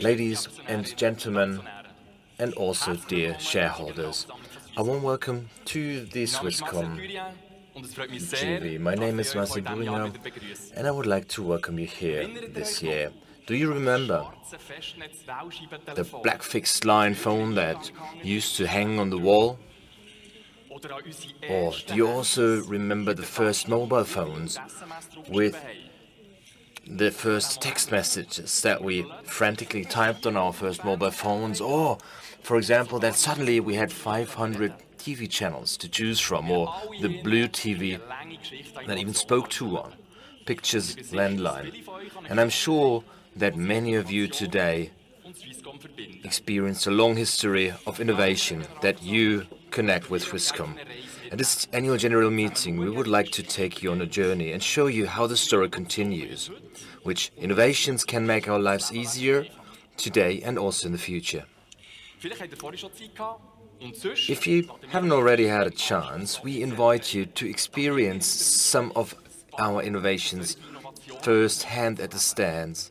Ladies and gentlemen, and also dear shareholders, a warm welcome to Swisscom. My name is Marcel Curia and I would like to welcome you here this year. Do you remember the black fixed line phone that used to hang on the wall? Do you also remember the first mobile phones with the first text messages that we frantically typed on our first mobile phones? For example, that suddenly we had 500 TV channels to choose from? Or the Blue TV that even spoke to one pictures landline? I am sure that many of you today experience a long history of innovation that you connect with Swisscom. At this annual general meeting, we would like to take you on a journey and show you how the story continues, which innovations can make our lives easier today and also in the future if you haven't already had a chance. We invite you to experience some of our innovations first hand at the stands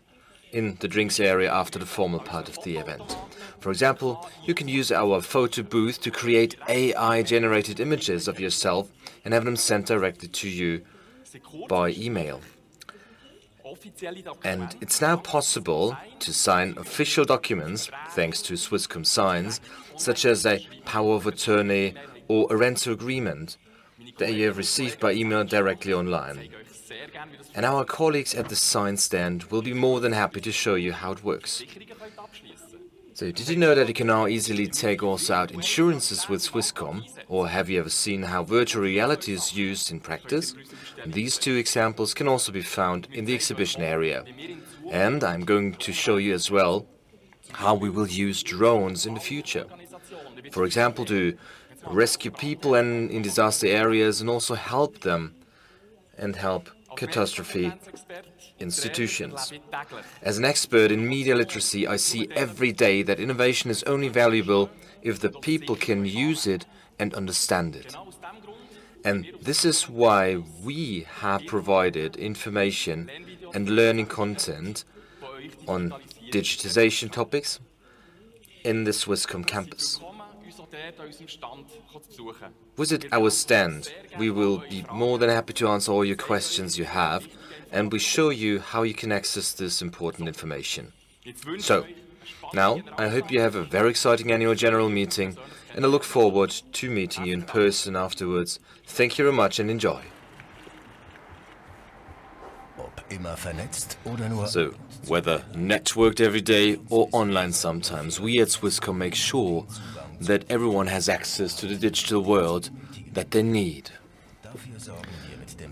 in the drinks area after the formal part of the event. For example, you can use our photo booth to create AI generated images of yourself and have them sent directly to you by email. It is now possible to sign official documents thanks to Swisscom Sign, such as a power of attorney or a rental agreement that you have received by email, directly online. Our colleagues at the Sign stand will be more than happy to show you how it works. Did you know that you can now easily take out insurances with Swisscom? Have you ever seen how virtual reality is used in practice? These two examples can also be found in the exhibition area and I am going to show you as well how we will use drones in the future, for example, to rescue people in disaster areas and also help them and help catastrophe institutions. As an expert in media literacy, I see every day that innovation is only valuable if the people can use it and understand it. This is why we have provided information and learning content on digitization topics in the Swisscom campus. Visit our stand, we will be more than happy to answer all your questions you have and we show you how you can access this important information. I hope you have a very exciting annual general meeting and I look forward to meeting you in person afterwards. Thank you very much and enjoy. Whether networked every day or online sometimes, we at Swisscom make sure that everyone has access to the digital world that they need.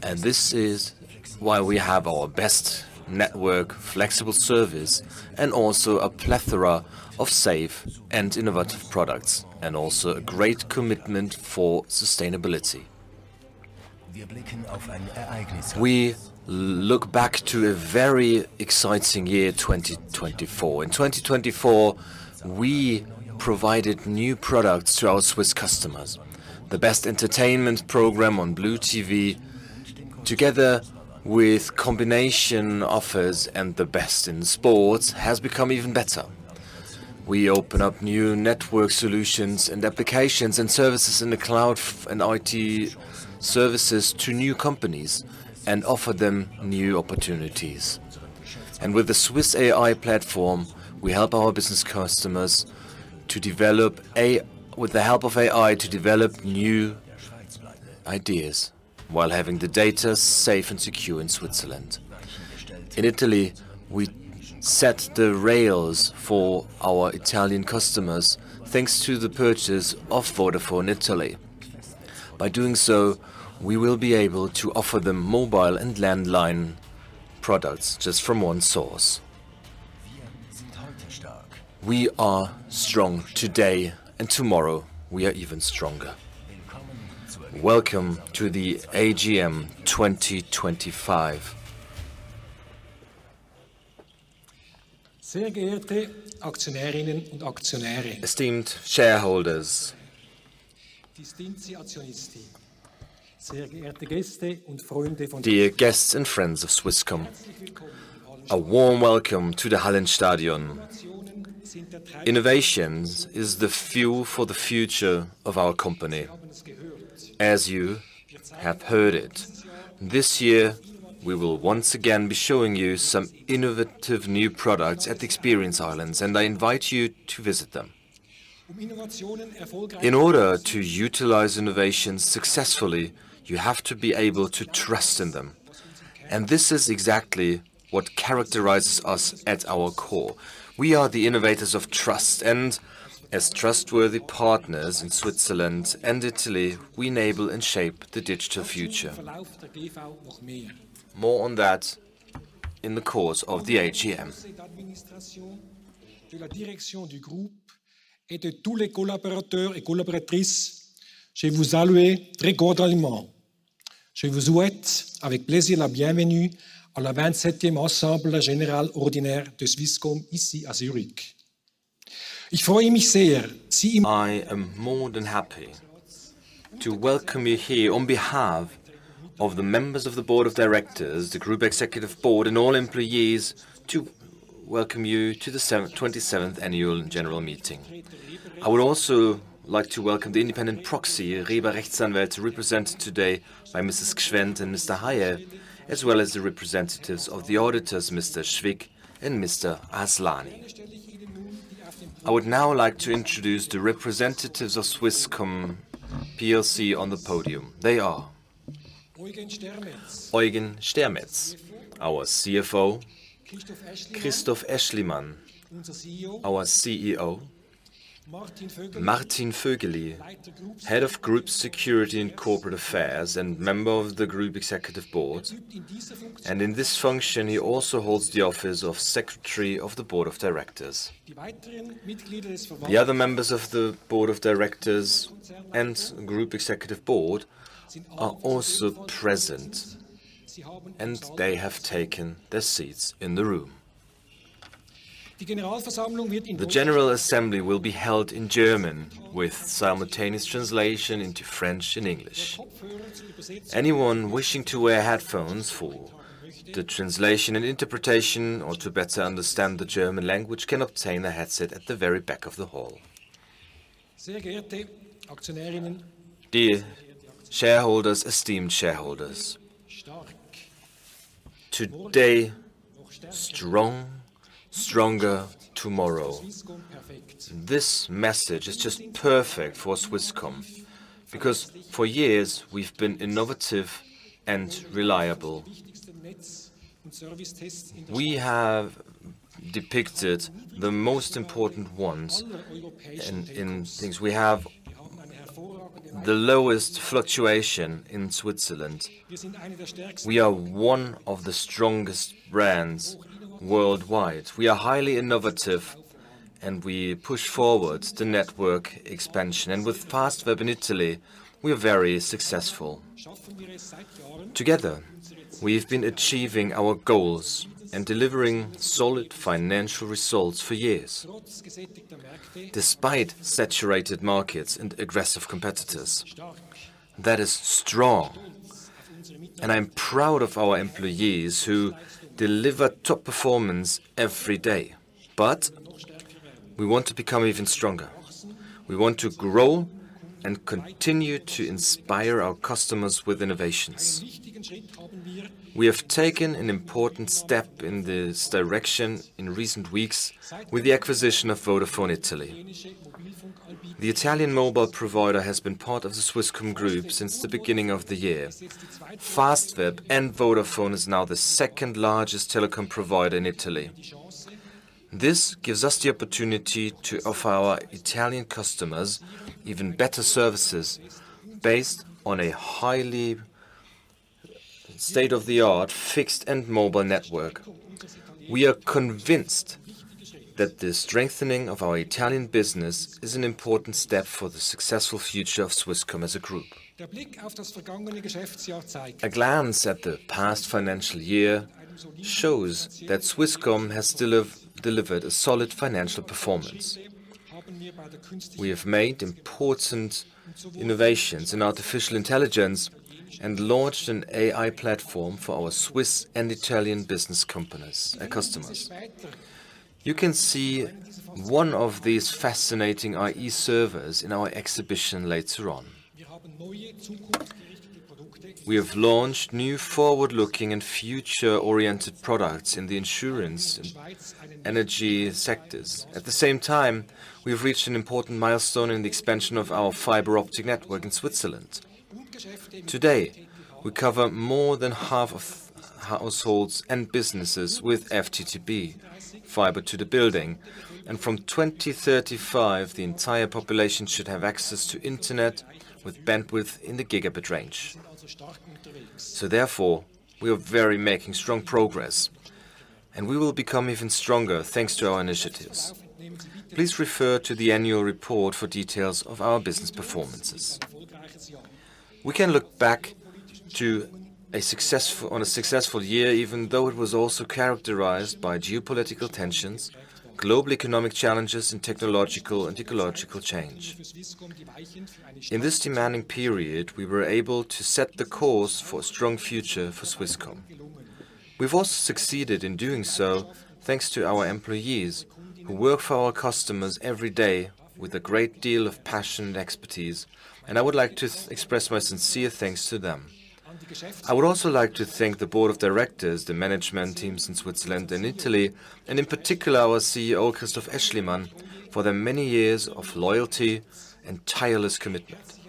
This is why we have our best network, flexible service, and also a plethora of safe and innovative products and also a great commitment for sustainability. We look back to a very exciting year, 2024. In 2024 we provided new products to our Swiss customers, the best entertainment program on Blue TV together with combination offers, and the best in sports has become even better. We open up new network solutions and applications and services in the cloud and IT services to new companies and offer them new opportunities. With the Swiss AI Platform, we help our business customers. With the help. Of AI to develop new ideas while having the data safe and secure in Switzerland. In Italy, we set the rails for our Italian customers thanks to the purchase of Vodafone Italia. By doing so, we will be able to offer them mobile and landline products just from one source. We are strong today and tomorrow we are even stronger. Welcome to the AGM 2025. Esteemed shareholders, dear guests and friends of Swisscom, a warm welcome to the Hallenstadion. Innovations is the fuel for the future of our company. As you have heard it, this year we will once again be showing you some innovative new products at Experience Islands and I invite you to visit them. In order to utilize innovations successfully, you have to be able to trust in them. This is exactly what characterizes us. At our core, we are the innovators of trust and as trustworthy partners in Switzerland and Italy, we enable and shape the digital future. More on that in the course of the AGM. I am more than happy to welcome you here on behalf of the members of the Board of Directors, the Group Executive Board and all employees to welcome you to the 27th Annual General Meeting. I would also like to welcome the independent proxy Ribe Richt Zanwelt, represented today by Mrs. Kwendt and Mr. Haye, as well as the representatives of the auditors, Mr. Schwick and Mr. Aslani. I would now like to introduce the representatives of Swisscom on the podium. They are Eugen Stermetz, our CFO, Christoph Aeschlimann, our CEO, Martin Vögeli, Head of Group Security and Corporate Affairs and member of the Group Executive Board. In this function he also holds the office of Secretary of the Board of Directors. The other members of the Board of Directors and Group Executive Board are also present and they have taken their seats in the room. The General Assembly will be held in German with simultaneous translation into French and English. Anyone wishing to wear headphones for the translation and interpretation or to better understand the German language can obtain a headset at the very back of the hall. Dear shareholders, esteemed shareholders, today, strong, stronger tomorrow. This message is just perfect for Swisscom because for years we've been innovative and reliable. We have depicted the most important ones in things. We have the lowest fluctuation in Switzerland. We are one of the strongest brands worldwide. We are highly innovative and we push forward the network expansion and with Fastweb in Italy, we are very successful. Together we have been achieving our goals and delivering solid financial results for years despite saturated markets and aggressive competitors. That is strong and I am proud of our employees who deliver top performance every day. We want to become even stronger. We want to grow and continue to inspire our customers with innovations. We have taken an important step in this direction in recent weeks with the acquisition of Vodafone Italia. The Italian mobile provider has been part of the Swisscom group since the beginning of the year. Fastweb and Vodafone Italia is now the second largest telecom provider in Italy. This gives us the opportunity to offer our Italian customers even better services based on a highly state of the art fixed and mobile network. We are convinced that the strengthening of our Italian business is an important step for the successful future of Swisscom as a group. A glance at the past financial year shows that Swisscom has delivered a solid financial performance. We have made important innovations in artificial intelligence and launched an AI platform for our Swiss and Italian business customers. You can see one of these fascinating AI servers in our exhibition later on. We have launched new forward-looking and future-oriented products in the insurance and energy sectors. At the same time, we've reached an important milestone in the expansion of our fiber optic network in Switzerland. Today we cover more than half of households and businesses with FTTB Fiber to the Building. From 2035 the entire population should have access to Internet with bandwidth in the gigabit range. Therefore we are making strong progress and we will become even stronger thanks to our initiatives. Please refer to the annual report for details of our business performances. We can look back on a successful year even though it was also characterized by geopolitical tensions, global economic challenges, and technological and ecological change. In this demanding period, we were able to set the course for a strong future for Swisscom. We've also succeeded in doing so thanks to our employees who work for our customers every day with a great deal of passion and expertise, and I would like to express my sincere thanks to them. I would also like to thank the Board of Directors, the management teams in Switzerland and Italy, and in particular our CEO Christoph Aeschlimann, for their many years of loyalty and tireless commitment.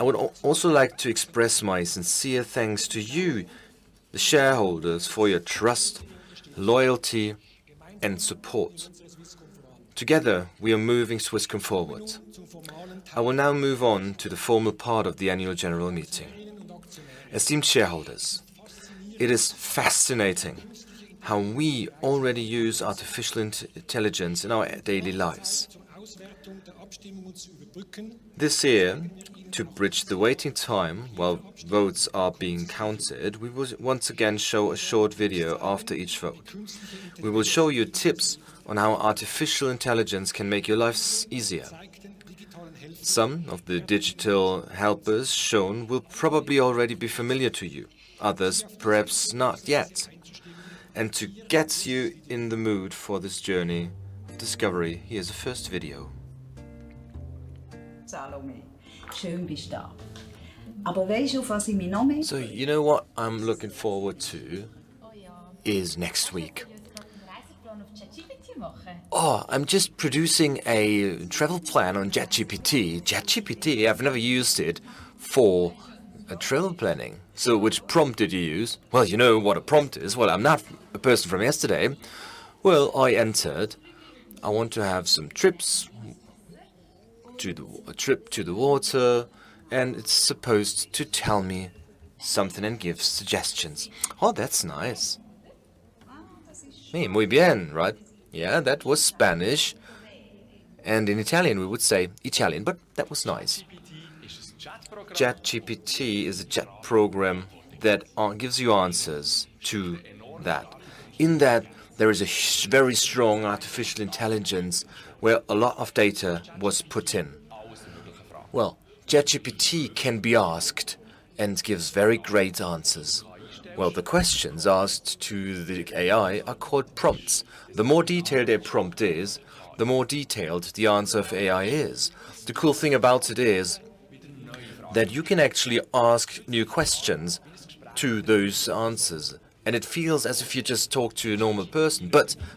I would also like to express my sincere thanks to you, the shareholders, for your trust, loyalty, and support. Together we are moving Swisscom forward. I will now move on to the formal part of the annual general meeting. Esteemed shareholders, it is fascinating how we already use artificial intelligence in our daily lives. This year, to bridge the waiting time while votes are being counted, we will once again show a short video. After each vote, we will show you tips on how artificial intelligence can make your lives easier. Some of the digital helpers shown will probably already be familiar to you, others perhaps not yet. To get you in the mood for this journey of discovery, here is a first video. You know what I am looking forward to is next week. Oh, I am just producing a travel plan on ChatGPT. ChatGPT? I have never used it for travel planning. Which prompt did you use? You know what a prompt is? I am not a person from yesterday. I entered, I want to have some trips to the trip to the water and it's supposed to tell me something and give suggestions. Oh, that's nice. Muy bien, right? Yeah, that was Spanish and in Italian we would say Italian, but that was nice. ChatGPT is a chat program that gives you answers to that in that there is a very strong artificial intelligence where a lot of data was put in. ChatGPT can be asked and gives very great answers. The questions asked to the AI are called prompts. The more detailed a prompt is, the more detailed the answer for AI is. The cool thing about it is that you can actually ask new questions to those answers and it feels as if you just talk to a normal person.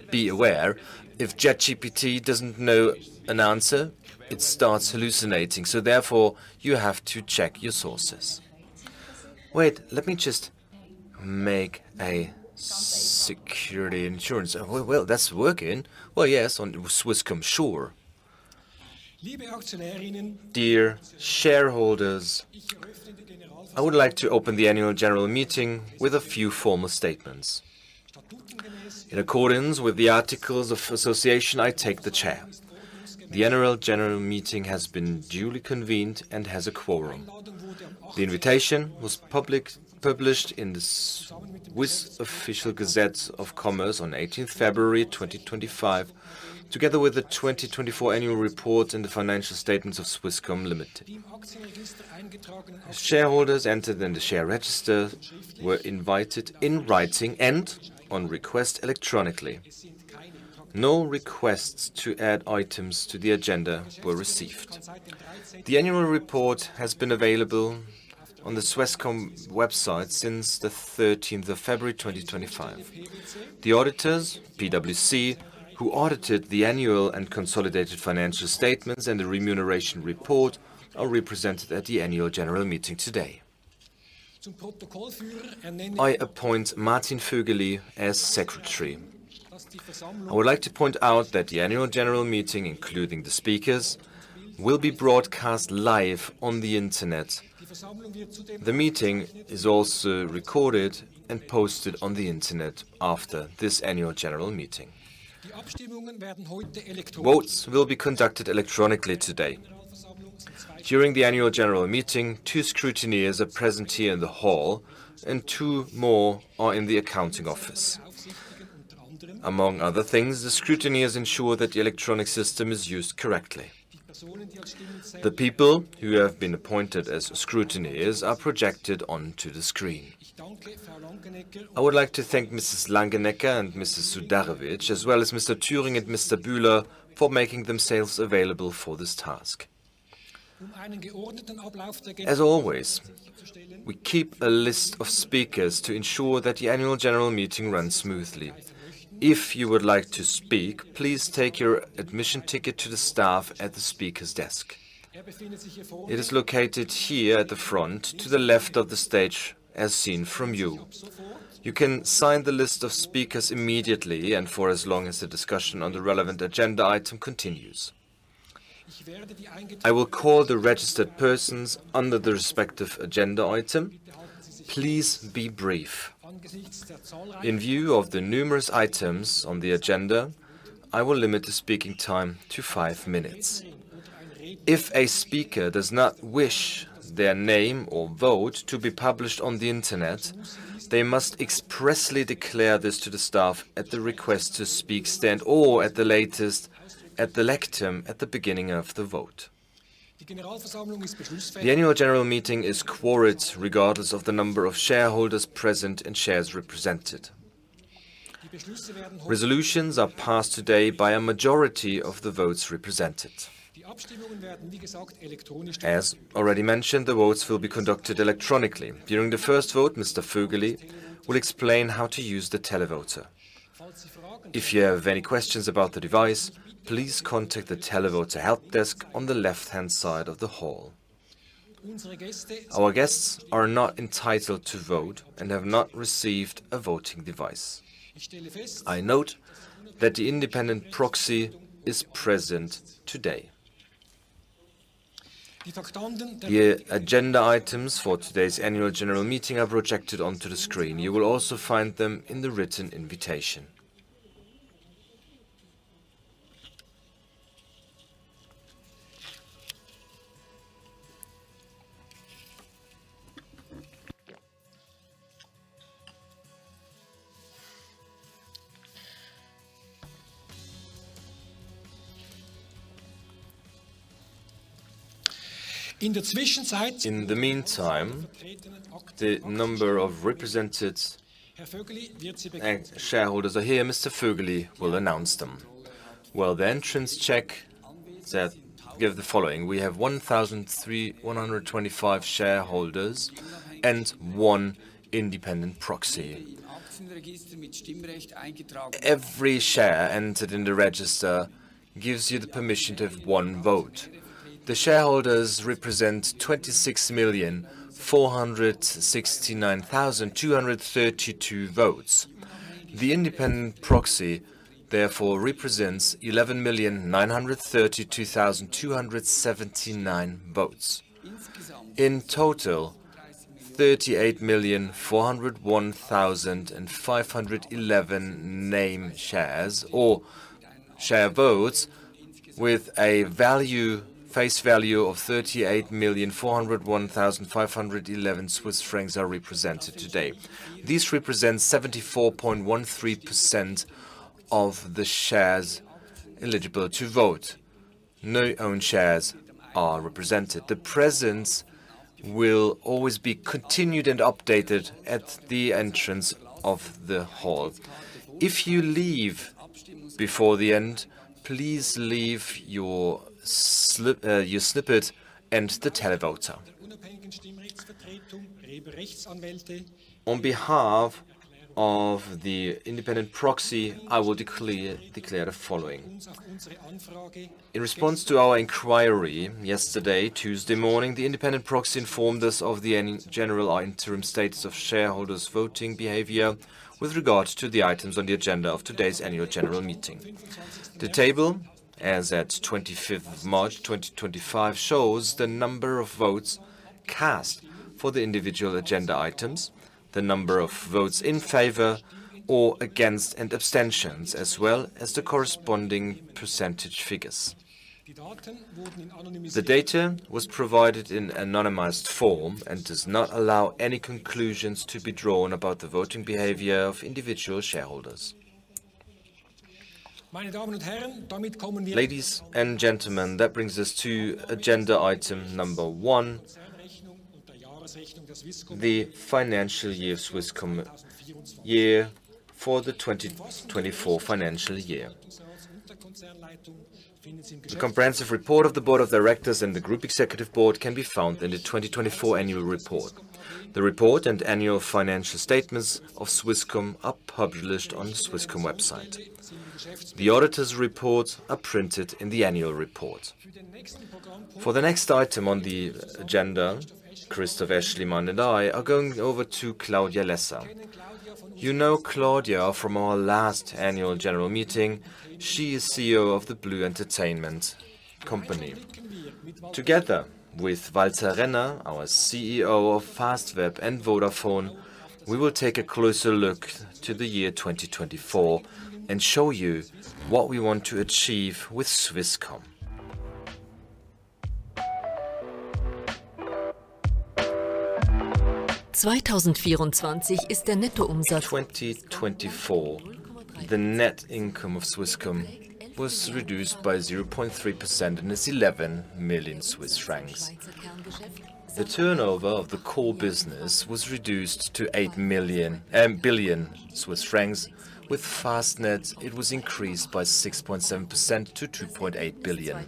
Be aware if ChatGPT doesn't know an answer, it starts hallucinating. Therefore you have to check your sources. Wait, let me just make a security insurance. That is working well. Yes, on Swisscom. Sure. Dear shareholders, I would like to open the annual general meeting with a few formal statements. In accordance with the articles of association, I take the chair. The annual general meeting has been duly convened and has a quorum. The invitation was published in the Swiss Official Gazette of Commerce on 18 February 2025 together with the 2024 Annual Report. In the financial statements of Swisscom, shareholders entered in the share register were invited in writing and on request electronically. No requests to add items to the agenda were received. The annual report has been available on the Swisscom website since 13 February 2025. The auditors who audited the annual and consolidated financial statements and the remuneration report are represented at the annual general meeting. Today I appoint Martin Vögeli as Secretary. I would like to point out that the annual general meeting, including the speakers, will be broadcast live on the Internet. The meeting is also recorded and posted on the Internet. After this annual general meeting, votes will be conducted electronically. Today, during the annual general meeting, two scrutineers are present here in the hall and two more are in the accounting office. Among other things, the scrutineers ensure that the electronic system is used correctly. The people who have been appointed as scrutineers are projected onto the screen. I would like to thank Mrs. Langenecker and Mrs. Sudarevic as well as Mr. Turing and Mr. Buhler for making themselves available for this task. As always, we keep a list of speakers to ensure that the annual general meeting runs smoothly. If you would like to speak, please take your admission ticket to the staff at the speaker's desk. It is located here at the front to the left of the stage, as seen from you. You can sign the list of speakers immediately and for as long as the discussion on the relevant agenda item continues. I will call the registered persons under the respective agenda item. Please be brief. In view of the numerous items on the agenda, I will limit the speaking time to five minutes. If a speaker does not wish their name or vote to be published on the Internet, they must expressly declare this to the staff at the request to speak stand or at the latest at the lectern. At the beginning of the vote, the annual general meeting is quorate regardless of the number of shareholders present and shares represented. Resolutions are passed today by a majority of the votes represented. As already mentioned, the votes will be conducted electronically. During the first vote, Mr. Fugely will explain how to use the televoter. If you have any questions about the device, please contact the televoter help desk on the left hand side of the hall. Our guests are not entitled to vote and have not received a voting device. I note that the independent proxy is present today. The agenda items for today's annual general meeting are projected onto the screen. You will also find them in the written invitation. In the meantime, the number of represented shareholders are here. Mr. Fugely will announce them. The entrance check said give the following: we have 1,003 125 shareholders and one independent proxy. Every share entered in the register gives you the permission to have one vote. The shareholders represent 26,469,232 votes. The independent proxy therefore represents 11,932,279 votes. Votes in total, 38,401,511 name shares or share votes with a face value of 38,401,511 Swiss francs are represented today. This represents 74.13% of the shares eligible to vote. No own shares are represented. The presence will always be continued and updated at the entrance of the hall. If you leave before the end, please leave your snippet and the televoter. On behalf of the independent proxy, I will declare that in response to our inquiry yesterday Tuesday morning, the independent proxy informed us of the general interim status of shareholders' voting behavior with regard to the items on the agenda of today's annual general meeting. The table as at 25 March 2025 shows the number of votes cast for the individual agenda items, the number of votes in favor or against and abstentions, as well as the corresponding % figures. The data was provided in anonymized form and does not allow any conclusions to be drawn about the voting behavior of individual shareholders. Ladies and gentlemen, that brings us to agenda item number one. The financial year of Swisscom year. For the 2024 financial year, the comprehensive report of the Board of Directors and the Group Executive Board can be found in the 2024 annual report. The report and annual financial statements of Swisscom are published on Swisscom website. The auditor's reports are printed in the annual report. For the next item on the agenda, Christoph Aeschlimann and I are going over to Claudia Lesser. You know Claudia from our last annual general meeting. She is CEO of the Blue Entertainment Company together with Walter Renna, our CEO of Fastweb and Vodafone. We will take a closer look to the year 2024 and show you what we want to achieve with Swisscom. In 2024, the net income of Swisscom was reduced by 0.3% and is 11 million Swiss francs. The turnover of the core business was reduced to 8 billion Swiss francs. With Fastweb it was increased by 6.7% to 2.8 billion.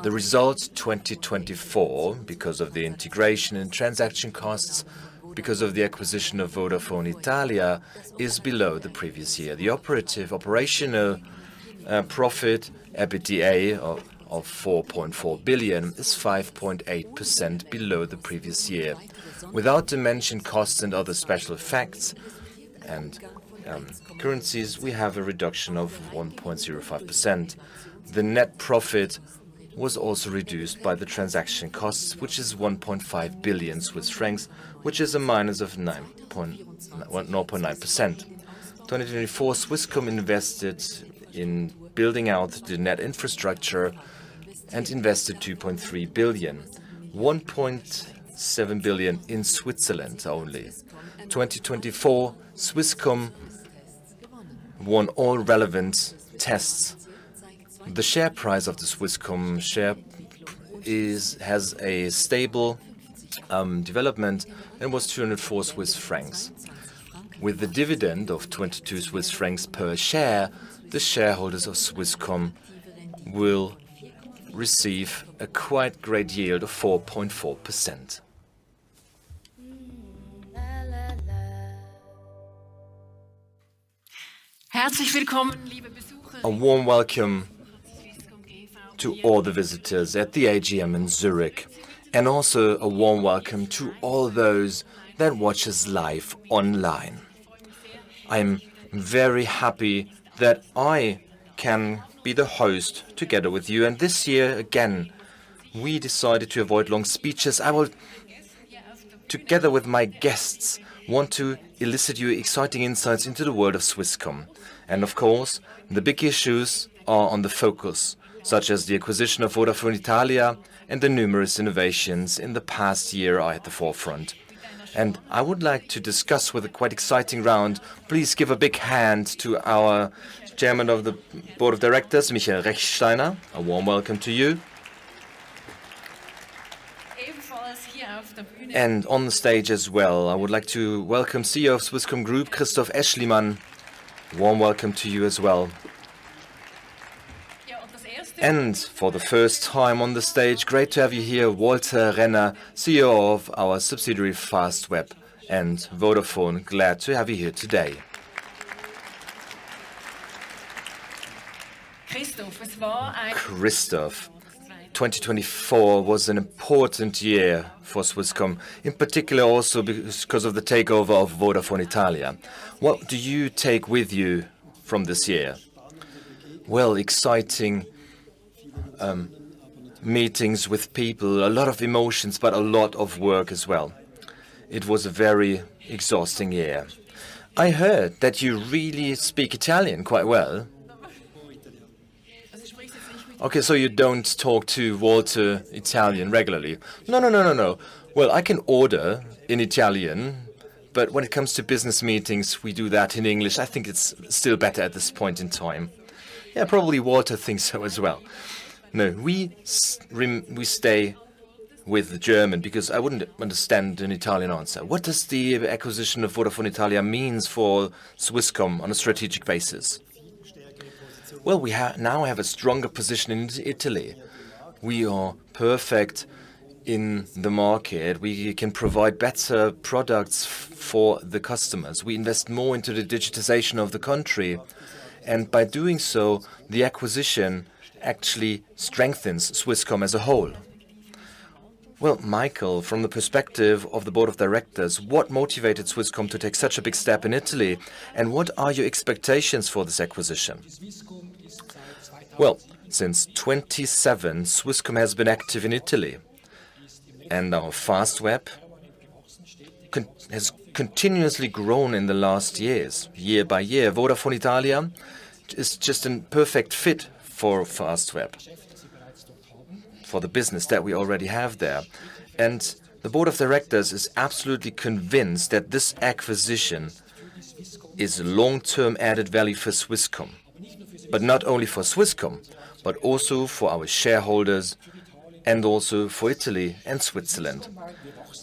The result 2024 because of the integration in transaction costs because of the acquisition of Vodafone Italia is below the previous year. The operative operational profit EBITDA of 4.4 billion is 5.8% below the previous year. Without dimension costs and other special effects and currencies, we have a reduction of 1.05%. The net profit was also reduced by the transaction costs which is 1.5 billion Swiss francs, which is a minus of 0.9%. In 2024 Swisscom invested in building out the net infrastructure and invested 2.3 billion, 1.7 billion in Switzerland. Only in 2024 Swisscom won all relevant tests. The share price of the Swisscom share has a stable development and was 204 Swiss francs. With the dividend of 22 Swiss francs per share, the shareholders of Swisscom will receive a quite great yield of 4.4%. A warm welcome to all the visitors at the AGM in Zurich and also a warm welcome to all those that watch us live online. I am very happy that I can be the host together with you. This year again we decided to avoid long speeches. I will, together with my guests, want to elicit you exciting insights into the world of Swisscom. Of course the big issues are on the focus, such as the acquisition of Vodafone Italia. The numerous innovations in the past year are at the forefront. I would like to discuss with a quite exciting round. Please give a big hand to our Chairman of the Board of Directors, Michael Rechtsteiner. A warm welcome to you. On the stage as well, I would like to welcome CEO of Swisscom Group, Christoph Aeschlimann. Warm welcome to you as well. For the first time on the stage, great to have you here, Walter Renna. Thank you. CEO of our subsidiary Fastweb and Vodafone. Glad to have you here today. Christoph, 2024 was an important year for Swisscom. In particular also because of the takeover of Vodafone Italia. What do you take with you from this year? Exciting meetings with people, a lot of emotions, but a lot of work as well. It was a very exhausting year. I heard that you really speak Italian quite well. Okay, so you do not talk to Walter Italian regularly? No, no, no, no, no. I can order in Italian, but when it comes to business meetings, we do that in English. I think it is still better at this point in time. Yeah, probably Walter thinks so as well. No, we stay with the German because I would not understand an Italian answer. What does the acquisition of Vodafone Italia mean for Swisscom on a strategic basis? We now have a stronger position in Italy. We are perfect in the market. We can provide better products for the customers. We invest more into the digitization of the country. By doing so, the acquisition actually strengthens Swisscom as a whole. Michael, from the perspective of the Board of Directors, what motivated Swisscom to take such a big step in Italy and what are your expectations for this acquisition? Since 2007, Swisscom has been active in Italy and our Fastweb has continuously grown in the last years, year by year. Vodafone Italia is just a perfect fit for Fastweb for the business that we already have there. The Board of Directors is absolutely convinced that this acquisition is long term added value for Swisscom. Not only for Swisscom, but also for our shareholders and also for Italy and Switzerland.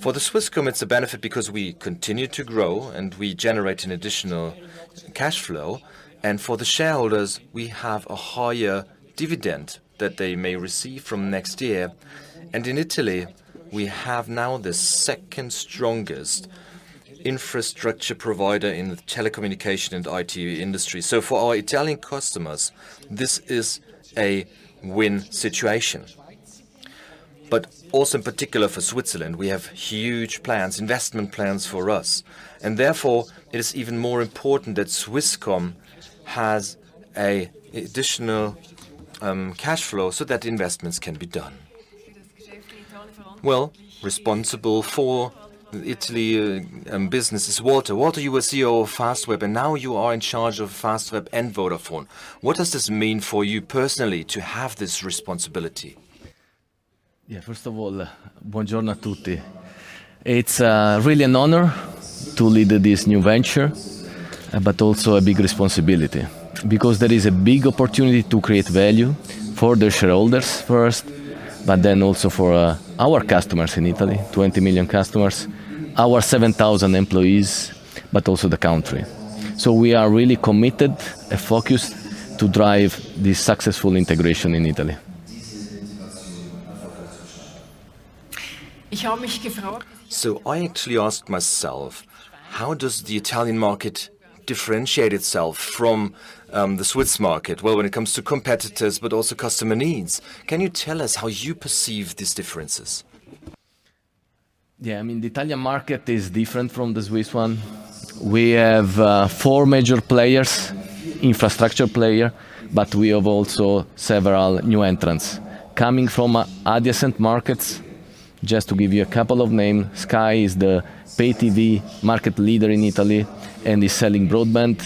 For Swisscom it is a benefit because we continue to grow and we generate an additional cash flow. For the shareholders we have a higher dividend that they may receive from next year. In Italy we have now the second strongest infrastructure provider in the telecommunication and IT industry. For our Italian customers this is a win situation. In particular for Switzerland, we have huge plans, investment plans for us. Therefore it is even more important that Swisscom has an additional cash flow so that investments can be done well. Responsible for Italy business is Walter. Walter, you were CEO of Fastweb and now you are in charge of Fastweb and Vodafone. What does this mean for you personally to have this responsibility? Yeah, first of all, buongiorno tutti. It's really an honor to lead this new venture, but also a big responsibility because there is a big opportunity to create value for the shareholders first, but then also for our customers in Italy. 20 million customers, our 7,000 employees, but also the country. We are really committed and focused to drive this successful integration in Italy. I actually asked myself, how does the Italian market differentiate itself from the Swiss market? When it comes to competitors, but also customer needs. Can you tell us how you perceive these differences? Yeah, I mean, the Italian market is different from the Swiss one. We have four major players, infrastructure player, but we have also several new entrants coming from adjacent markets. Just to give you a couple of names, Sky is the pay TV market leader in Italy and is selling broadband.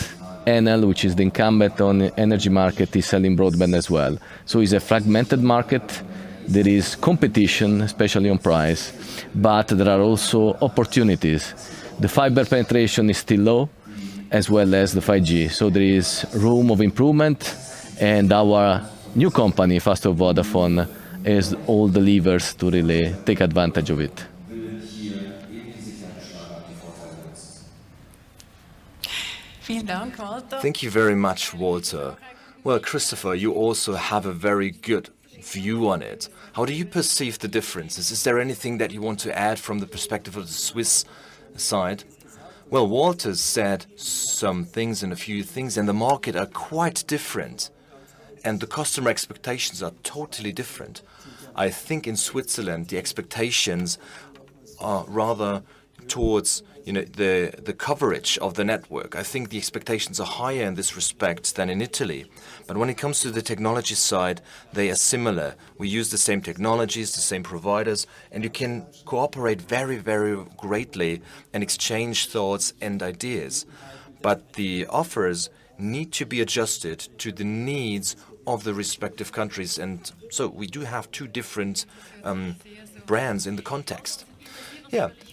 Enel, which is the incumbent on energy market, is selling broadband as well. It is a fragmented market. There is competition, especially on price, but there are also opportunities. The fiber penetration is still low as well as the 5G, so there is room of improvement. Our new company, Fastweb Vodafone, has all delivers to really take advantage of it. Thank you very much, Walter. Christopher, you also have a very good view on it. How do you perceive the differences? Is there anything that you want to add from the perspective of the Swiss side? Walter said some things and a few things and the market are quite different and the customer expectations are totally different. I think in Switzerland the expectations are rather towards the coverage of the network. I think the expectations are higher in this respect than in Italy. When it comes to the technology side, they are similar. We use the same technologies, the same providers, and you can cooperate very, very greatly and exchange thoughts and ideas. The offers need to be adjusted to the needs of the respective countries. We do have two different brands in the context.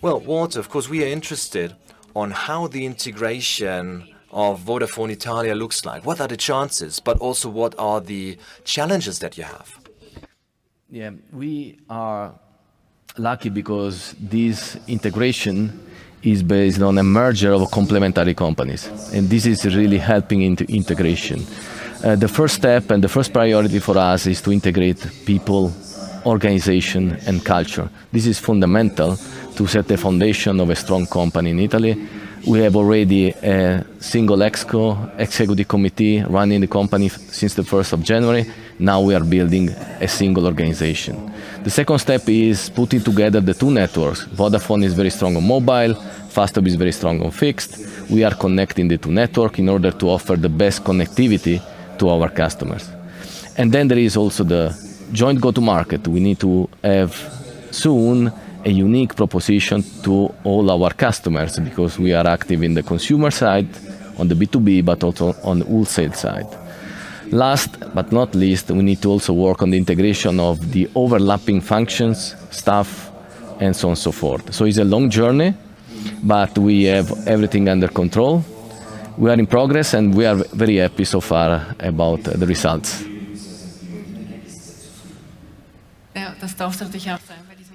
Walter, of course we are interested on how the integration of Vodafone Italia looks like. What are the chances but also what are the challenges that you have? Yeah, we are lucky because this integration is based on a merger of complementary companies. This is really helping into integration. The first step and the first priority for us is to integrate people, organization, and culture. This is fundamental to set the foundation of a strong company in Italy. We have already a single exco executive committee running the company since the 1st of January. Now we are building a single organization. The second step is putting together the two networks. Vodafone is very strong on mobile. Fastweb is very strong on fixed. We are connecting the two networks in order to offer the best connectivity to our customers. There is also the joint go to market. We need to have soon a unique proposition to all our customers because we are active in the consumer side, on the B2B, but also on wholesale side. Last but not least, we need to also work on the integration of the overlapping functions, staff and so on and so forth. It is a long journey, but we have everything under control. We are in progress and we are very happy so far about the results.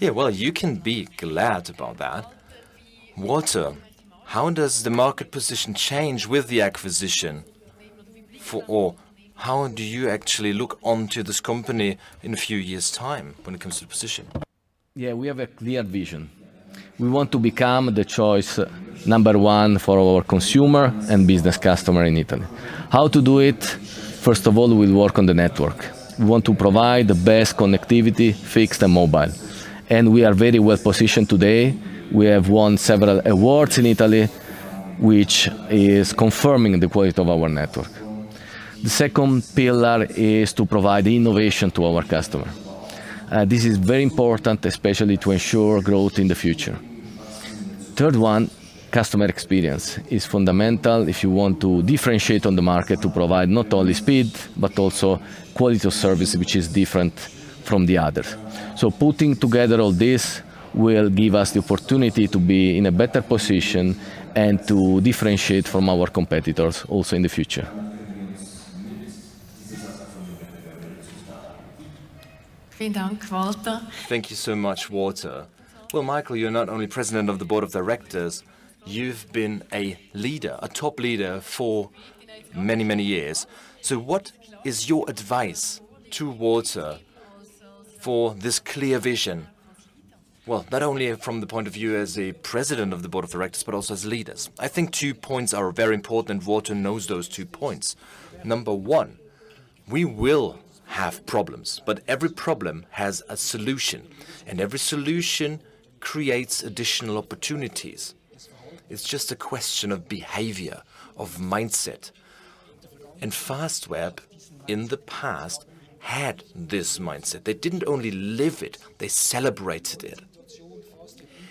Yeah, you can be glad about that. Walter, how does the market position change with the acquisition or how do you actually look onto this company in a few years time when it comes to position? Yeah, we have a clear vision. We want to become the choice number one for our consumer and business customer in Italy. How to do it? First of all, we work on the network. We want to provide the best connectivity fixed and mobile. We are very well positioned today. We have won several awards in Italy, which is confirming the quality of our network. The second pillar is to provide innovation to our customers. This is very important, especially to ensure growth in the future. Third, customer experience is fundamental if you want to differentiate on the market to provide not only speed but also quality of service which is different from the others. Putting together all this will give us the opportunity to be in a better position and to differentiate from our competitors also in the future. Thank you so much, Walter. Michael, you're not only President of the Board of Directors, you've been a leader, a top leader for many, many years. What is your advice to Walter for this clear vision? Not only from the point of view as President of the Board of Directors, but also as leaders. I think two points are very important. Walter knows those two points. We will have problems, but every problem has a solution. Every solution creates additional opportunities. It's just a question of behavior, of mindset. Fastweb in the past had this mindset. They didn't only live it, they celebrated it.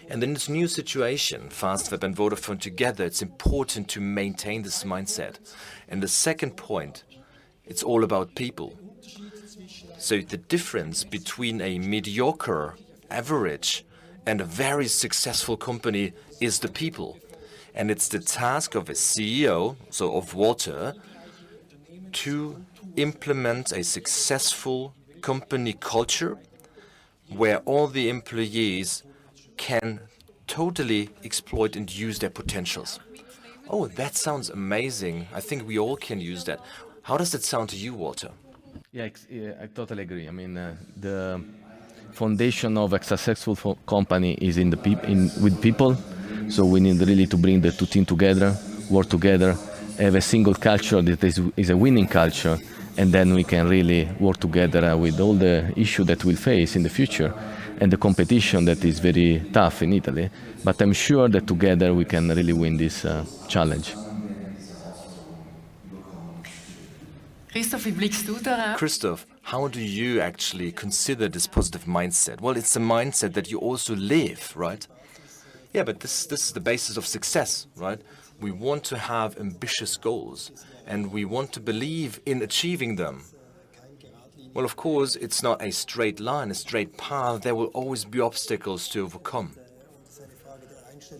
In this new situation, Fastweb and Vodafone together, it's important to maintain this mindset. The second point, it's all about people. The difference between a mediocre average and a very successful company is the people. It is the task of a CEO, so of Walter, to implement a successful company culture where all the employees can totally exploit and use their potentials. Oh, that sounds amazing. I think we all can use that. How does that sound to you, Walter? Yeah, I totally agree. I mean, the foundation of a successful company is with people. We need really to bring the two team together, work together, have a single culture that is a winning culture. Then we can really work together with all the issues that we face in the future and the competition that is very tough in Italy. I am sure that together we can really win this challenge. Christoph, how do you actually consider this positive mindset? It is a mindset that you also live, right? This is the basis of success, right? We want to have ambitious goals and we want to believe in achieving them. Of course it is not a straight line, a straight path. There will always be obstacles to overcome.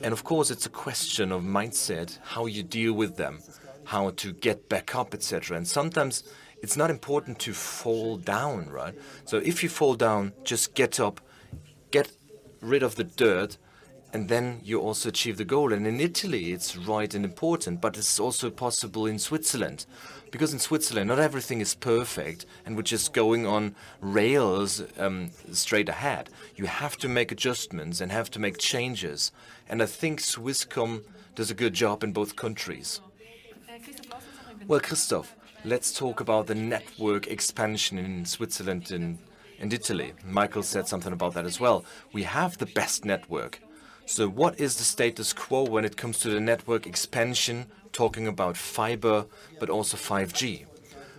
Of course it is a question of mindset, how you deal with them, how to get back up, etc. Sometimes it is not important to fall down, right? If you fall down, just get up, get rid of the dirt and then you also achieve the goal. In Italy it is right and important, but it is also possible in Switzerland, because in Switzerland, not everything is perfect and which is going on rails straight ahead. You have to make adjustments and have to make changes. I think Swisscom does a good job in both countries. Christoph, let's talk about the network expansion in Switzerland and Italy. Michael said something about that as well. We have the best network. What is the status quo when it comes to the network expansion? Talking about fiber, talking, but also 5G.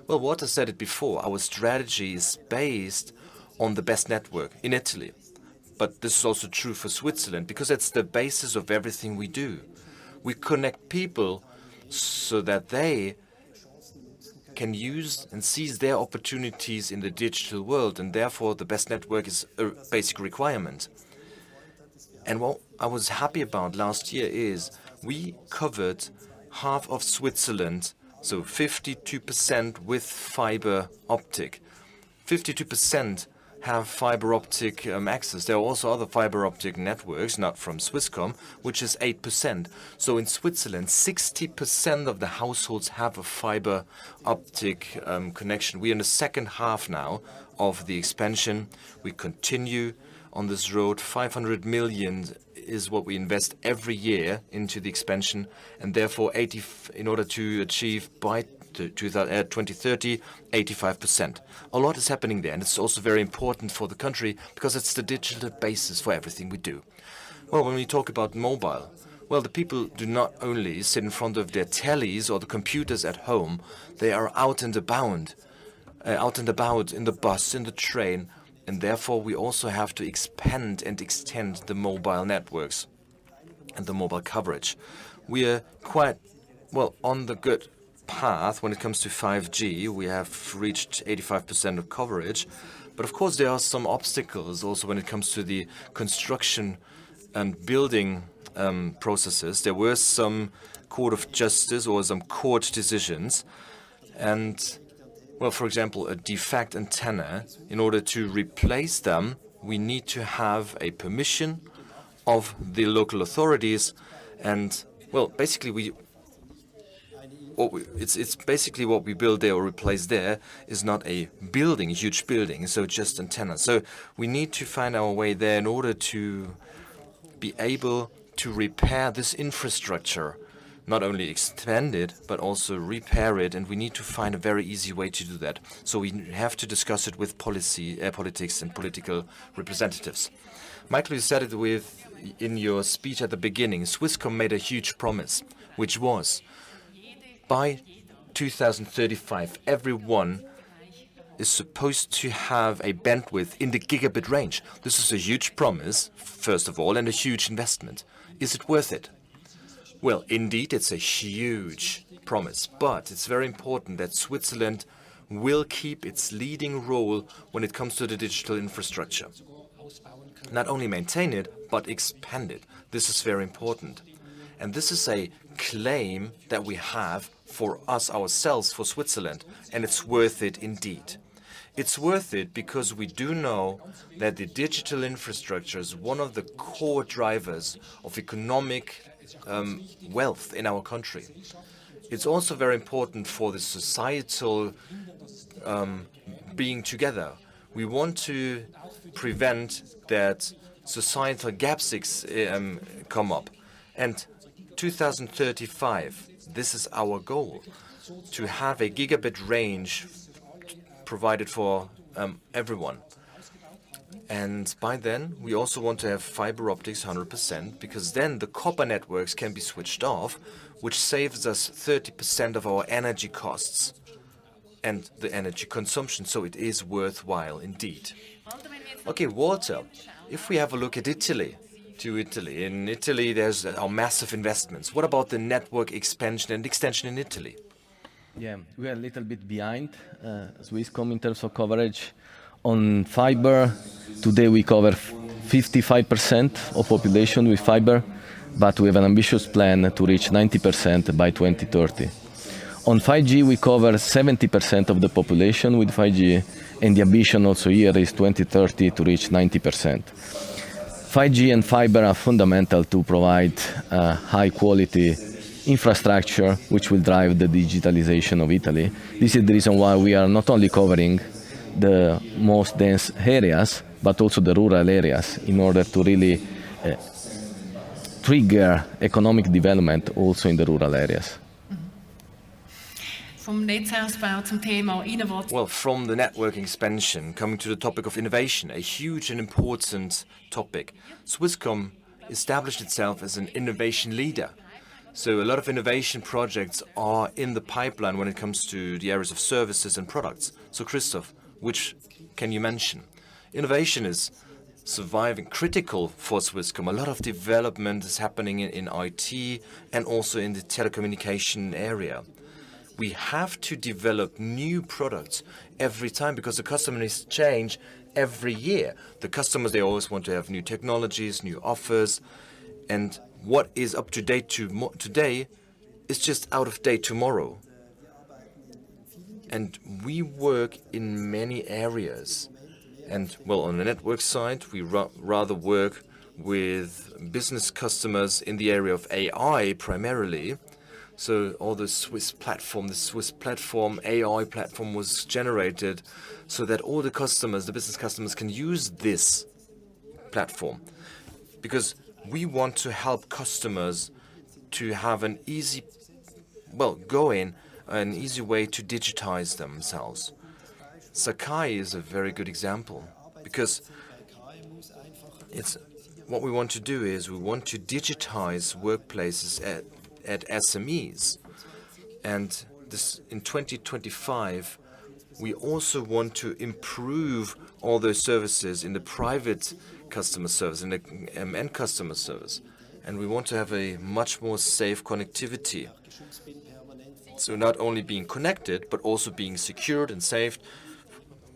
Walter said it before. Our strategy is based on the best network in Italy, but this is also true for Switzerland because it's the basis of everything we do. We connect people so that they can use and seize their opportunities in the digital world and therefore the best network is a basic requirement. What I was happy about last year is we covered half of Switzerland, so 52% with fiber optic, 52% have fiber optic access. There are also other fiber optic networks not from Swisscom, which is 8%. In Switzerland, 60% of the households have a fiber optic connection. We are in the second half now of the expansion. We continue on this road. 500 million is what we invest every year into the expansion. Therefore, in order to achieve by 2030, 85%, a lot is happening there. It is also very important for the country because it is the digital basis for everything we do. When we talk about mobile, the people do not only sit in front of their tellies or the computers at home, they are out and about, out and about, in the bus, in the train. Therefore, we also have to expand and extend the mobile networks and the mobile coverage. We are quite well on the good path when it comes to 5G. We have reached 85% of coverage. Of course there are some obstacles also when it comes to the construction and building processes. There were some court of justice or some court decisions and, for example, a defect antenna. In order to replace them, we need to have a permission of the local authorities. Basically what we build there or replace there is not a building, huge building, just antenna. We need to find our way there in order to be able to repair this infrastructure, not only expand it, but also repair it. We need to find a very easy way to do that. We have to discuss it with politics and political representatives. Michael, you said it in your speech at the beginning, Swisscom made a huge promise, which was by 2035 everyone is supposed to have a bandwidth in the gigabit range. This is a huge promise, first of all, and a huge investment. Is it worth it? Indeed it's a huge promise. It's very important that Switzerland will keep its leading role when it comes to the digital infrastructure. Not only maintain it, but expand it. This is very important and this is a claim that we have for us, ourselves, for Switzerland. It's worth it. Indeed it's worth it, because we do know that the digital infrastructure is one of the core drivers of economic wealth in our country. It's also very important for the societal being together. We want to prevent that societal gaps come up and 2035, this is our goal, to have a gigabit range provided for everyone. By then we also want to have fiber optics 100% because then the copper networks can be switched off, which saves us 30% of our energy costs and the energy consumption. It is worthwhile indeed. Okay, Walter, if we have a look at Italy, in Italy there are massive investments. What about the network expansion and extension in Italy? Yeah, we are a little bit behind Swisscom in terms of coverage on fiber. Today we cover 55% of the population with fiber. We have an ambitious plan to reach 90% by 2030. On 5G, we cover 70% of the population with 5G and the ambition also here is 2030 to reach 90%. 5G and fiber are fundamental to provide high quality infrastructure which will drive the digitalization of Italy. This is the reason why we are not only covering the most dense areas, but also the rural areas in order to really trigger economic development also in the rural areas. From the network expansion, coming to the topic of innovation, a huge and important topic. Swisscom established itself as an innovation leader. A lot of innovation projects are in the pipeline when it comes to the areas of services and products. Christoph, which can you mention innovation is surviving critical for Swisscom? A lot of development is happening in IT and also in the telecommunication area. We have to develop new products in every time because the customer needs change every year. The customers, they always want to have new technologies, new offers and what is up to date today is just out of date tomorrow. We work in many areas and on the network side we rather work with business customers in the area of AI primarily. All the Swiss AI platform was generated so that all the customers, business customers can use this platform. Because we want to help customers to have an easy, well, go in an easy way to digitize themselves. Sakai is a very good example because what we want to do is we want to digitize workplaces at SMEs and in 2025 we also want to improve all those services in the private customer service, in the end customer service, and we want to have a much more safe connectivity. Not only being connected, but also being secured and safe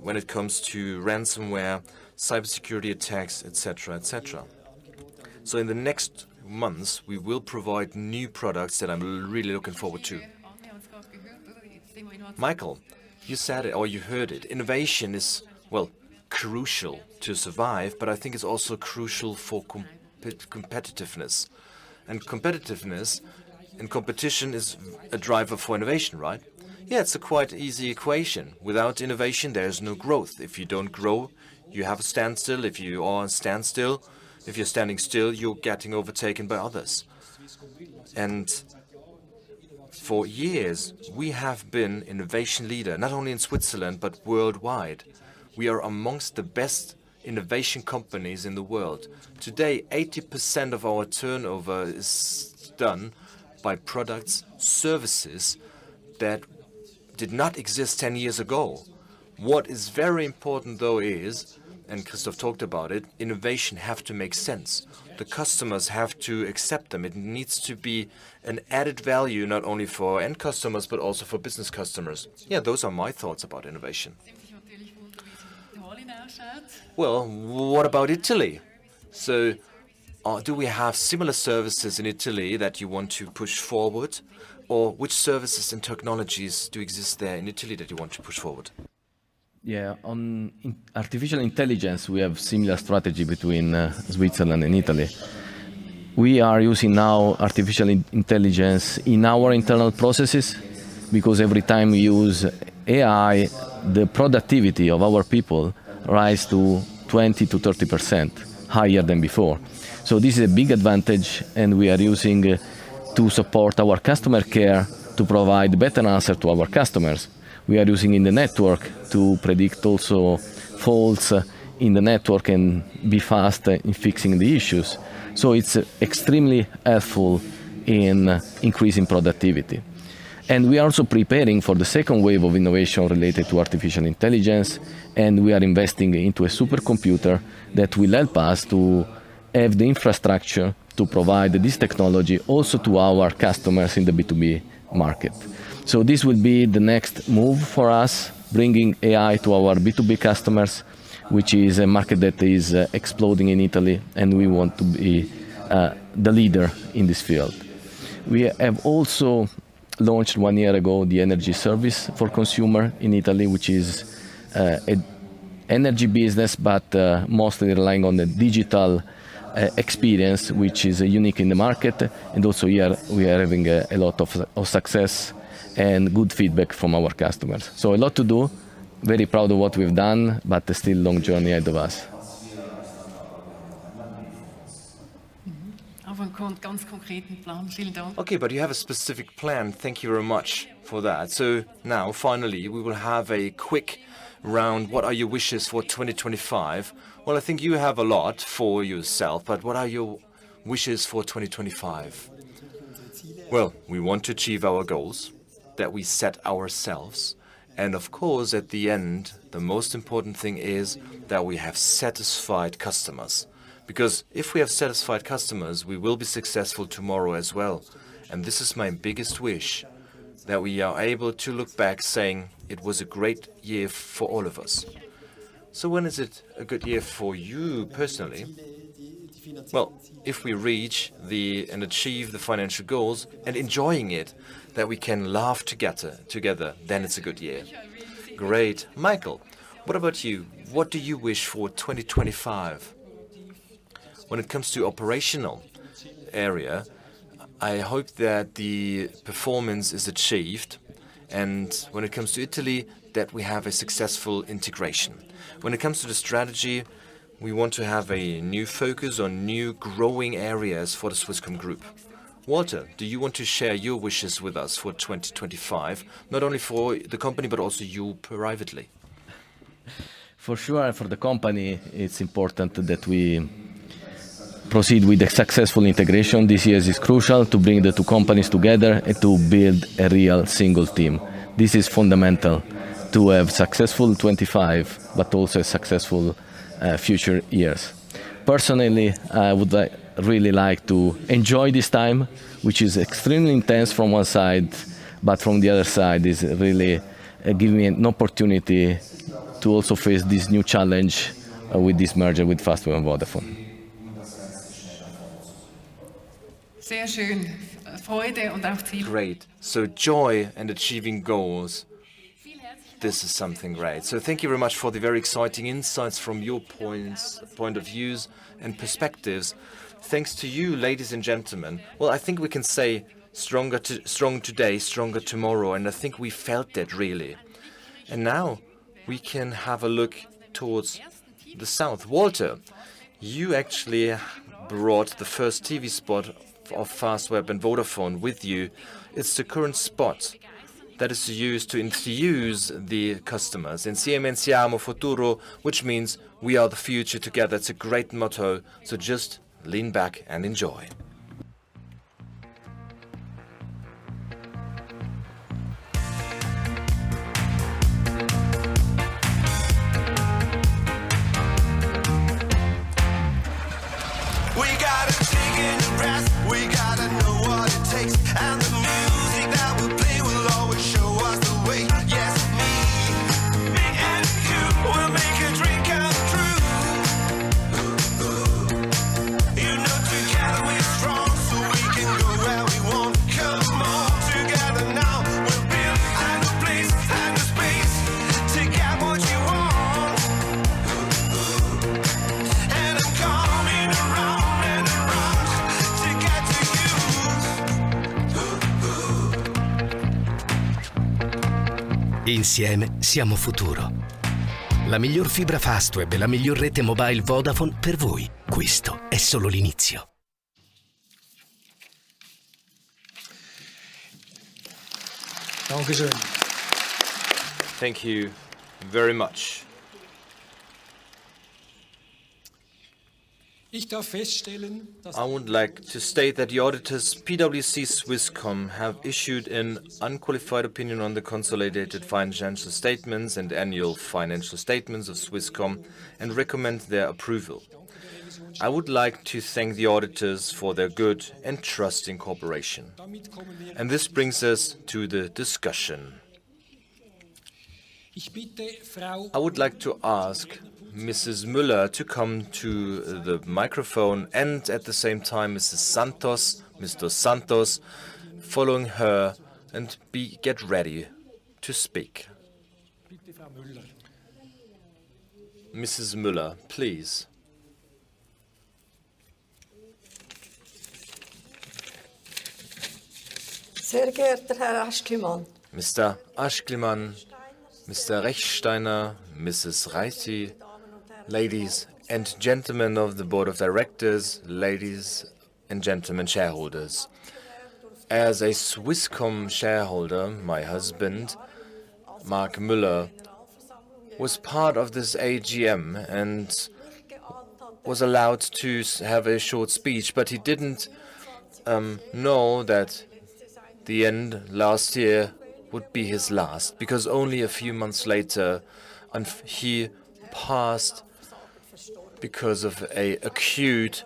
when it comes to ransomware, cybersecurity attacks, etc., etc., in the next months we will provide new products that I'm really looking forward to. Michael, you said it or you heard it. Innovation is, well, crucial to survive, but I think it's also crucial for competitiveness, and competitiveness and competition is a driver for innovation, right? Yeah, it's a quite easy equation. Without innovation there is no growth. If you don't grow, you have a standstill. If you are on standstill, if you're standing still, you're getting overtaken by others. For years we have been innovation leader, not only in Switzerland, but worldwide. We are amongst the best innovation companies in the world today. 80% of our turnover is done by products, services that did not exist 10 years ago. What is very important though is, and Christoph talked about it, innovation have to make sense. The customers have to accept them. It needs to be an added value not only for end customers, but also for business customers. Yeah, those are my thoughts about innovation. What about Italy? Do we have similar services in Italy that you want to push forward or which services and technologies do exist there in Italy that you want to push forward? Yeah, artificial intelligence, we have similar strategy between Switzerland and Italy. We are using now artificial intelligence in our internal processes because every time we use AI, the productivity of our people rise to 20-30% higher than before. This is a big advantage. We are using to support our customer care to provide better answers to our customers. We are using in the network to predict also faults in the network and be fast in fixing the issues. It is extremely helpful in increasing productivity. We are also preparing for the second wave of innovation related to artificial intelligence. We are investing into a supercomputer that will help us to have the infrastructure to provide this technology also to our customers in the B2B market. This will be the next move for us, bringing AI to our B2B customers, which is a market that is exploding in Italy and we want to be the leader in this field. We have also launched one year ago the Energy Service for Consumer in Italy, which is an energy business, but mostly relying on the digital experience, which is unique in the market. Also here we are having a lot of success and good feedback from our customers. A lot to do, very proud of what we've done, but still long journey ahead of us. Okay, but you have a specific plan. Thank you very much for that. Now finally we will have a quick round. What are your wishes for 2025? I think you have a lot for yourself, but what are your wishes for 2025? We want to achieve our goals that we set ourselves. Of course, at the end, the most important thing is that we have satisfied customers, because if we have satisfied customers, we will be successful tomorrow as well. This is my biggest wish, that we are able to look back saying it was a great year for all of us. When is it a good year for you personally? If we reach and achieve the financial goals and enjoying it, that we can laugh together. Then it's a good year. Great. Michael, what about you? What do you wish for 2025? When it comes to operational area, I hope that the performance is achieved and when it comes to Italy, that we have a successful integration. When it comes to the strategy, we want to have a new focus on new growing areas for the Swisscom Group. Walter, do you want to share your wishes with us for 2025? Not only for the company, but also you privately. For sure, for the company, it's important that we proceed with a successful integration. This year is crucial to bring the two companies together to build a real single team. This is fundamental to have successful 2025, but also successful future years. Personally, I would really like to enjoy this time, which is extremely intense from one side, but from the other side is really giving me an opportunity to also face this new challenge with this merger with Fastweb and Vodafone. Great. So joy and achieving goals. This is something great. Thank you very much for the very exciting insights from your points of view and perspectives. Thanks to you, ladies and gentlemen. I think we can say strong today, stronger tomorrow. I think we felt that really. Now we can have a look towards the south. Walter, you actually brought the first TV spot of Fastweb and Vodafone with you. It's the current spot that is used to enthuse the customers in Siemensiamo futuro, which means we are the future together. It's a great motto. Just lean back and enjoy. We gotta take in a breath. We gotta know what it takes and the music that we play will always show us the way. Yes, me, me and you will make a dream come true. You know together we're strong so we can go where we want. Come on together now we'll build time to place time to space to get what you want. And I'm coming around and around to get to you. Thank you very much. I would like to state that the auditors PwC, Swisscom have issued an unqualified opinion on the consolidated financial statements and annual financial statements of Swisscom and recommend their approval. I would like to thank the auditors for their good and trusting cooperation. This brings us to the discussion. I would like to ask Mrs. Muller to come to the microphone and at the same time, Mrs. Santos. Mr. Santos following her. Get ready to speak. Mrs. Muller, please. Mr. Aeschlimann, Mr. Rechtsteiner, Mrs. Rice. Ladies and gentlemen of the Board of Directors, ladies and gentlemen, shareholders, as a Swisscom shareholder. My husband, Mark Muller was part of this AGM and was allowed to have a short speech. He did not know that the end last year would be his last because only a few months later he passed because of an acute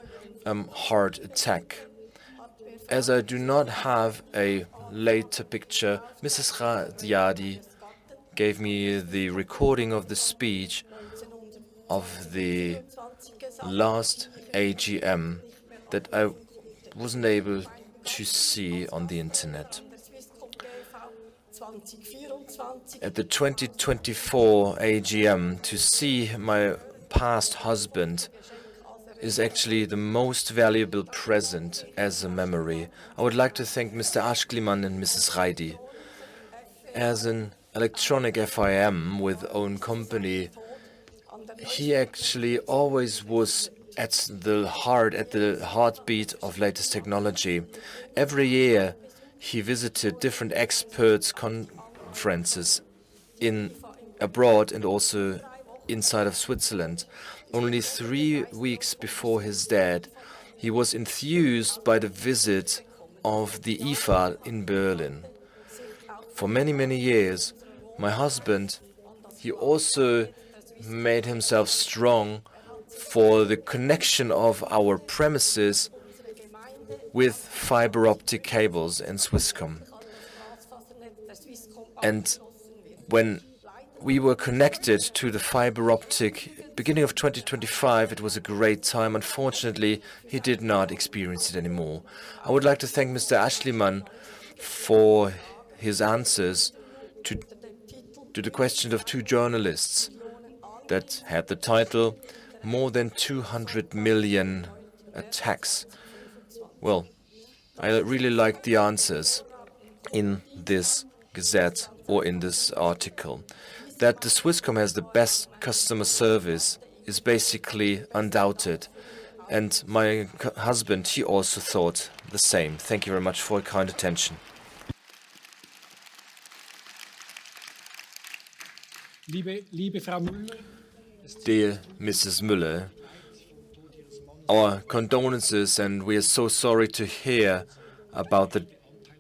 heart attack. As I do not have a later picture, Mrs. Ghaziadi gave me the recording of the speech of the last AGM that I was not able to see on the Internet at the 2024 AGM. To see my past husband is actually the most valuable present as a memory. I would like to thank Mr. Aeschlimann and Mrs. Ridi. As an electronic firm with own company, he actually always was at the heart, at the heartbeat of latest technology. Every year he visited different experts conferences abroad and also inside of Switzerland. Only three weeks before his death, he was enthused by the visitors of the EFAL in Berlin. For many, many years, my husband, he also made himself strong for the connection of our premises with fiber optic cables in Swisscom. When we were connected to the fiber optic beginning of 2025, it was a great time. Unfortunately, he did not experience it anymore. I would like to thank Mr. Aeschlimann for his answers to the question of two journalists that had the title more than 200 million attacks. I really like the answers in this gazette or in this article. That the Swisscom has the best customer service is basically undoubted. My husband, he also thought the same. Thank you very much for your kind attention. Dear Mrs. Muller, our condolences and we are so sorry to hear about the.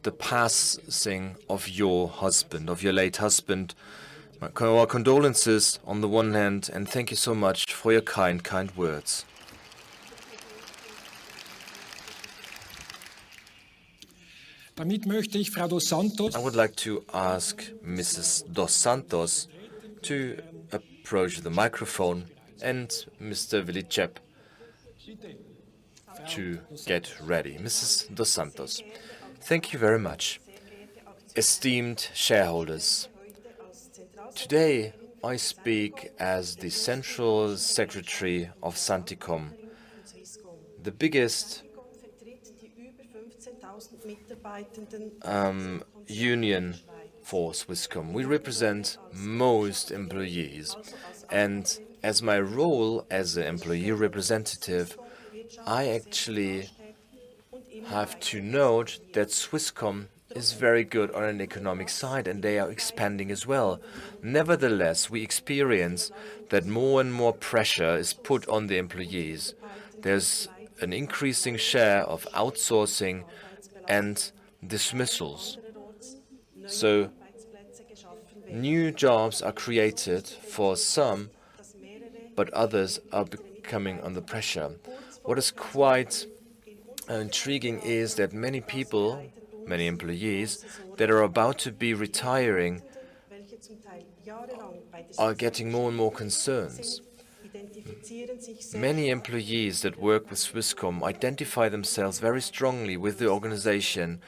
The passing of your husband, of your late husband. Our condolences on the one hand, and thank you so much for your kind, kind words. I would like to ask Mrs. dos Santos to approach the microphone and Mr. Villagep to get ready. Mrs. dos Santos, thank you very much. Esteemed shareholders, today I speak as the central secretary of Syndicom, the biggest union for Swisscom. We represent most employees and as my role as an employee representative, I actually have to note that Swisscom is very good on an economic side and they are expanding as well. Nevertheless, we experience that more and more pressure is put on the employees. There is an increasing share of outsourcing and dismissals, so new jobs are created for some, but others are coming under pressure. What is quite intriguing is that many people, many employees that are about to be retiring are getting more and more concerns. Many employees that work with Swisscom identify themselves very strongly with the organization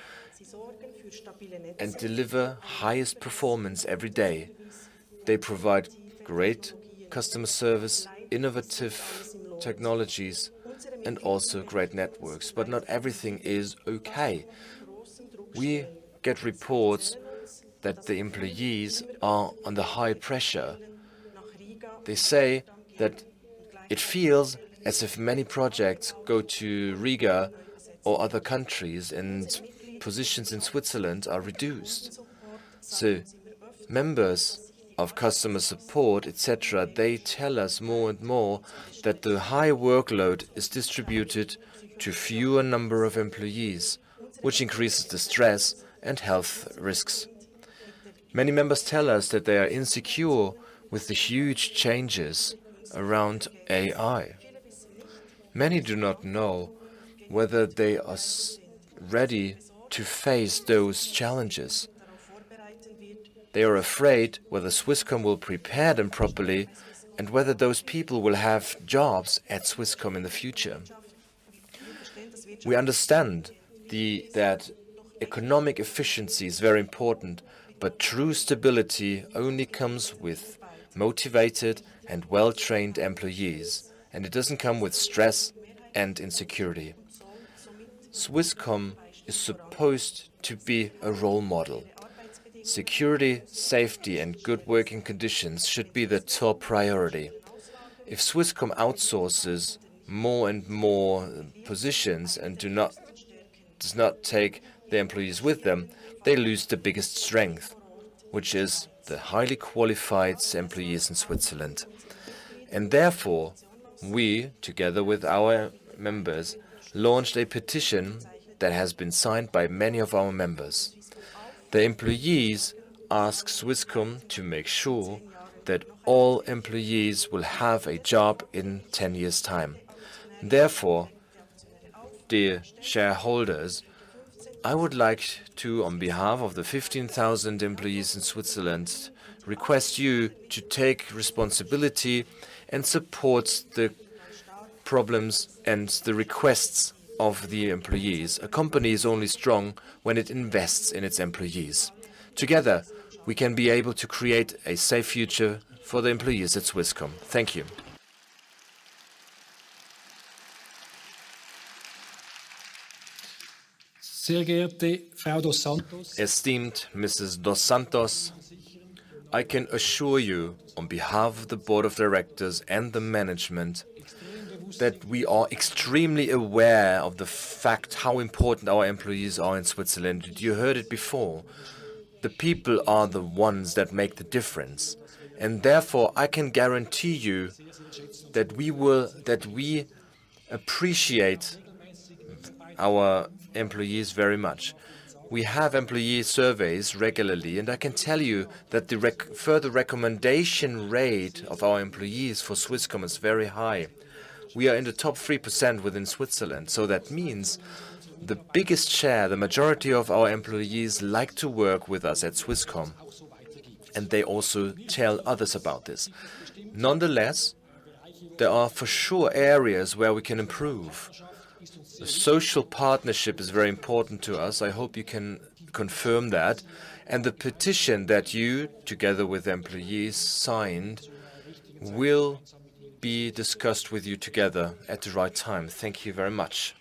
and deliver highest performance every day. They provide great customer service, innovative technologies and also great networks. Not everything is ok. We get reports that the employees are under high pressure. They say that it feels as if many projects go to Riga or other countries and positions in Switzerland are reduced. Members of customer support, etc. tell us more and more that the high workload is distributed to fewer number of employees, which increases the stress and health risks. Many members tell us that they are insecure with the huge changes around AI. Many do not know whether they are ready to face those challenges. They are afraid whether Swisscom will prepare them properly and whether those people will have jobs at Swisscom in the future. We understand that economic efficiency is very important. True stability only comes with motivated and well trained employees. It does not come with stress. In security, Swisscom is supposed to be a role model. Security, safety, and good working conditions should be the top priority. If Swisscom outsources more and more positions and does not take the employees with them, they lose the biggest strength, which is the highly qualified employees in Switzerland. Therefore, we, together with our members, launched a petition that has been signed by many of our members. The employees ask Swisscom to make sure that all employees will have a job in 10 years time. Therefore, dear shareholders, I would like to, on behalf of the 15,000 employees in Switzerland, request you to take responsibility and support the problems and the requests of the employees. A company is only strong when it invests in its employees. Together we can be able to create a safe future for the employees at Swisscom. Thank you. Sergio de Fraudo Santos. Esteemed Mrs. dos Santos. I can assure you on behalf of the Board of Directors and the management that we are extremely aware of the fact how important our employees are in Switzerland. You heard it before. The people are the ones that make the difference. Therefore I can guarantee you that we appreciate our employees very much. We have employee surveys regularly and I can tell you that the further recommendation rate of our employees for Swisscom is very high. We are in the top 3% within Switzerland, so that means the biggest share. The majority of our employees like to work with us at Swisscom and they also tell others about this. Nonetheless, there are for sure areas where we can improve. The social partnership is very important to us. I hope you can confirm that. The petition that you together with employees signed will be discussed with you together at the right time. Thank you very much.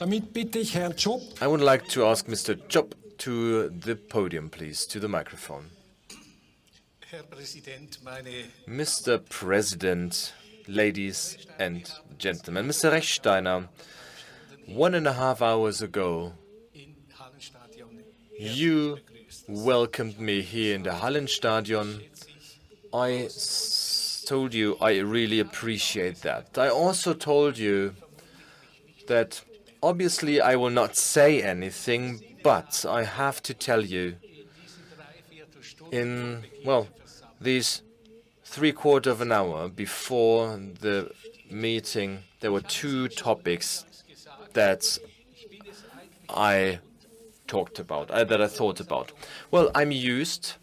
I would like to ask Mr. Chop to the podium, please, to the microphone. Mr. President, ladies and gentlemen, Mr. Echsteiner. One and a half hours ago you welcomed me here in the Hallenstadion. I told you. I really appreciate that. I also told you that obviously I will not say anything, but I have to tell you in. These three quarter of an hour before the meeting, there were two topics that I talked about that I thought about. I'm used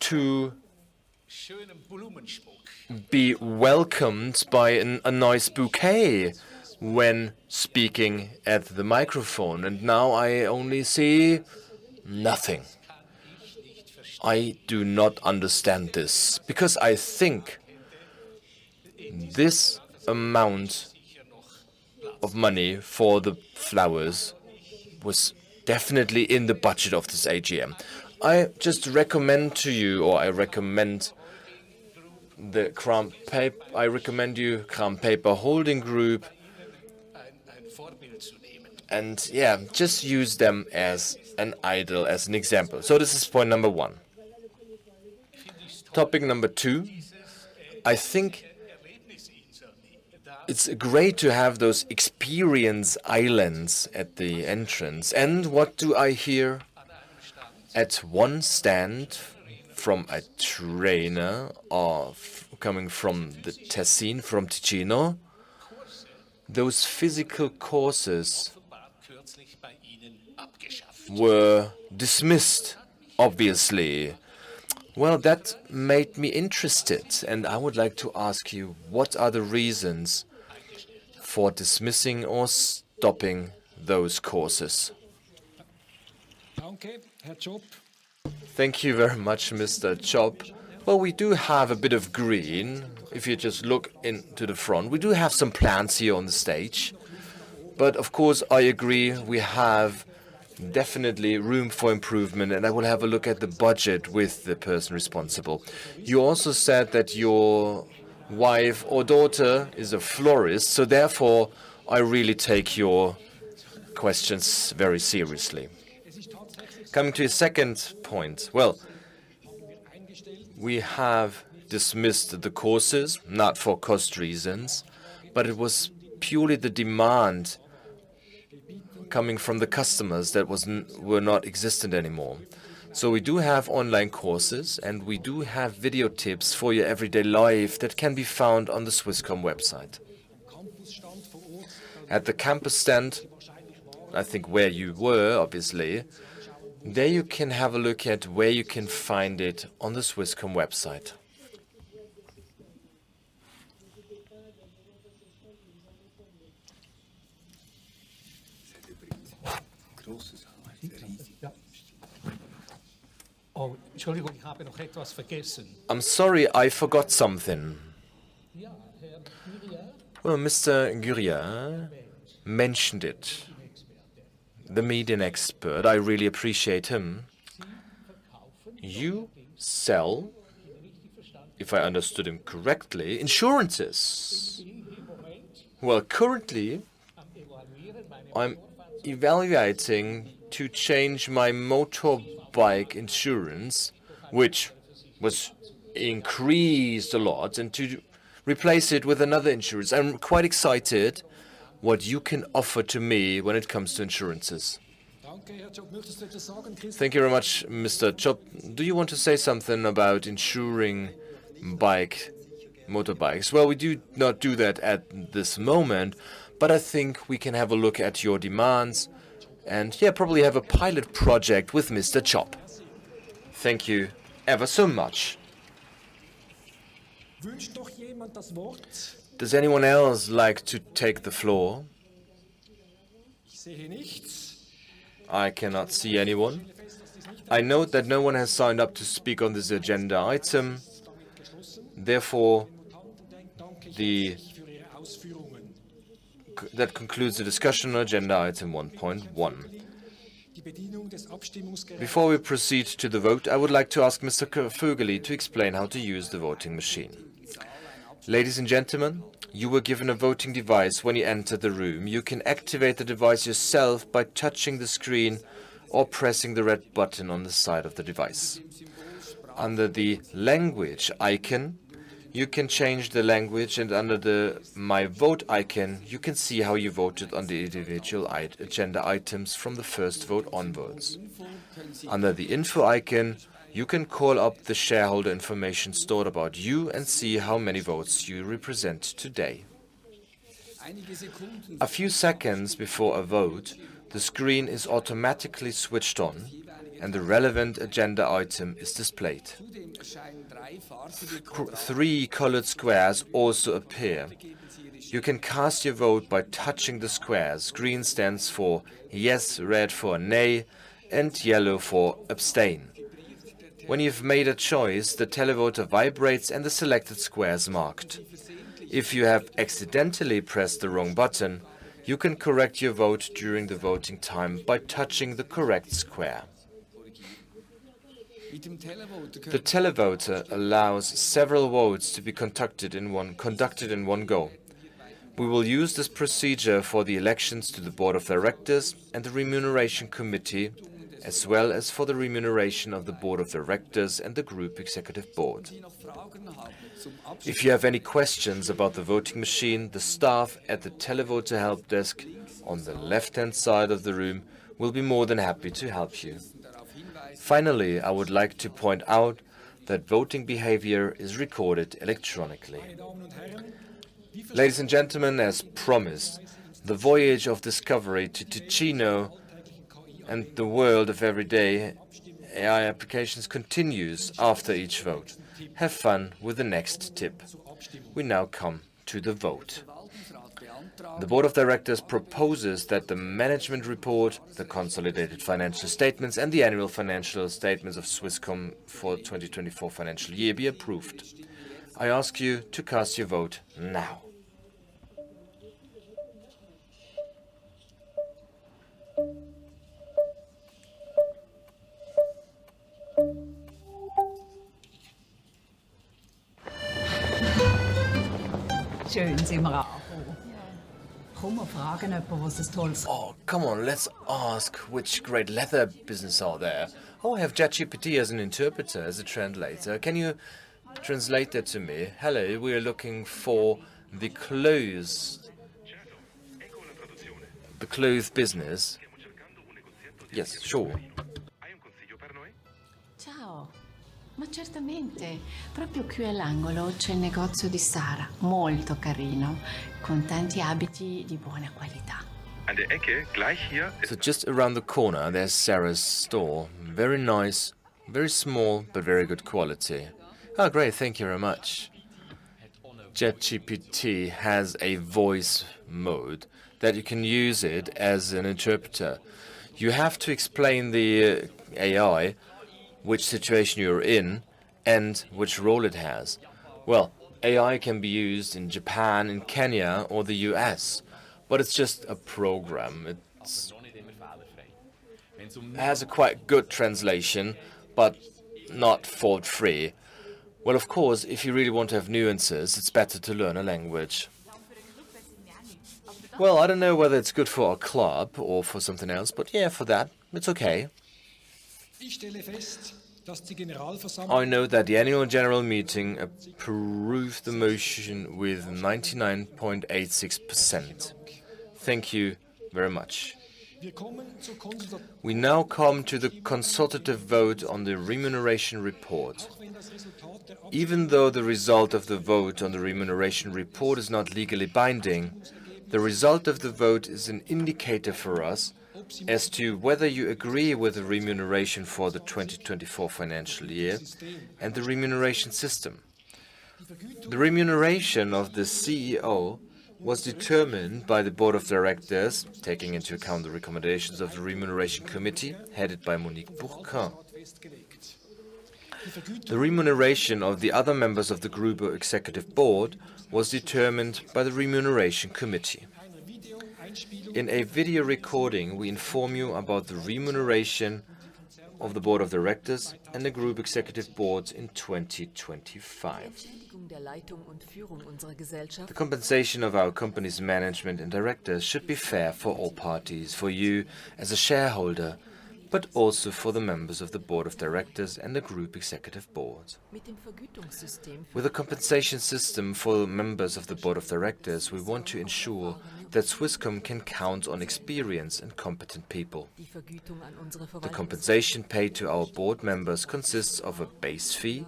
to be welcomed by a nice bouquet when speaking at the microphone and now I only see nothing. I do not understand this because I think this amount of money for the flowers was definitely in the budget of this AGM. I just recommend to you or I recommend the Kramp paper. I recommend you Kramp paper holding group. Yeah, just use them as an idol as an example. This is point number one. Topic number two, I think it's great to have those experience islands at the entrance. What do I hear at one stand from a trainer coming from the Ticino. Those physical courses were dismissed, obviously. That made me interested and I would like to ask you what are the reasons for dismissing or stopping those courses? Thank you very much, Mr. Job. We do have a bit of green if you just look into the front. We do have some plants here on the stage. Of course I agree, we have definitely room for improvement. I will have a look at the budget with the person responsible. You also said that your wife or daughter is florist. Therefore I really take your questions very seriously. Coming to your second point. We have dismissed the courses not for cost reasons, but it was purely the demand coming from the customers that were not existent anymore. We do have online courses and we do have video tips for your everyday life that can be found on the Swisscom website at the campus stand. I think where you were obviously there you can have a look at where you can find it on the Swisscom website. I'm sorry, I forgot something. Mr. Guina mentioned it, the media expert. I really appreciate him. You sell, if I understood him correctly, insurances. Currently I'm evaluating to change my motorbike insurance, which was increased a lot and to replace it with another insurance. I'm quite excited what you can offer to me when it comes to insurances. Thank you very much. Mr. Chop, do you want to say something about insuring motorbikes? We do not do that at this moment, but I think we can have a look at your demands and yeah, probably have a pilot project with Mr. Chop. Thank you ever so much. Does anyone else like to take the floor? I cannot see anyone. I note that no one has signed up to speak on this agenda item. Therefore, that concludes the discussion on Agenda Item 1.1. Before we proceed to the vote, I would like to ask Mr. Fugely to explain how to use the voting machine. Ladies and gentlemen, you were given a voting device when you entered the room. You can activate the device yourself by touching the screen or pressing the red button on the side of the device. Under the language icon you can change the language and under the My vote icon you can see how you voted on the individual agenda items from the first vote onwards. Under the info icon you can call up the shareholder information stored about you and see how many votes you represent today. A few seconds before a vote, the screen is automatically switched on and the relevant agenda item is displayed. Three colored squares also appear. You can cast your vote by touching the squares. Green stands for yes, red for Nay, and yellow for Abstain. When you've made a choice, the televoter vibrates and the selected square is marked. If you accidentally press the wrong button, you can correct your vote during the voting time by touching the correct square. The televoter allows several votes to be conducted in one go. We will use this procedure for the elections to the Board of Directors and the Remuneration Committee as well as for the remuneration of the Board of Directors and the Group Executive Board. If you have any questions about the voting machine, the staff at the televoter help desk on the left hand side of the room will be more than happy to help you. Finally, I would like to point out that voting behavior is recorded electronically. Ladies and gentlemen, as promised, the voyage of discovery to Ticino and the world of every day AI applications continues after each vote. Have fun with the next tip. We now come to the vote. The Board of Directors proposes that the management report, the consolidated financial statements and the annual financial statements of Swisscom for 2024 financial year be approved. I ask you to cast your vote. Oh, come on, let's ask which great leather business are there? Oh, I have ChatGPT as an interpreter, as a translator. Can you translate that to me? Hello, we are looking for the clothes. The clothes business. Yes, sure. Just around the corner there's Zara's store. Very nice, very small, but very good quality. Oh great. Thank you very much. ChatGPT has a voice mode that you can use as an interpreter. You have to explain to the AI which situation you're in and which role it has. AI can be used in Japan, in Kenya, or the U.S., but it's just a program. Has quite good translation, but not for free. Of course, if you really want to have nuances, it's better to learn a language. I don't know whether it's good for a club or for something else, but yeah, for that it's okay. I know that. The annual general meeting approves the motion with 99.86%. Thank you very much. We now come to the consultative vote on the remuneration report. Even though the result of the vote on the remuneration report is not legally binding, the result of the vote is an indicator for us as to whether you agree with the remuneration for the 2024 financial year and the remuneration system. The remuneration of the CEO was determined by the Board of Directors taking into account the recommendations of the Remuneration Committee headed by Monique Burquin. The remuneration of the other members of the Group Executive Board was determined by the Remuneration Committee. In a video recording. We inform you about the remuneration of the Board of Directors and the Group Executive Board in 2025. The compensation of our company's management and directors should be fair for all parties, for you as a shareholder, but also for the members of the Board of Directors and the Group Executive Board. With a compensation system for members of the Board of Directors, we want to ensure that Swisscom can count on experienced and competent people. The compensation paid to our board members consists of a base fee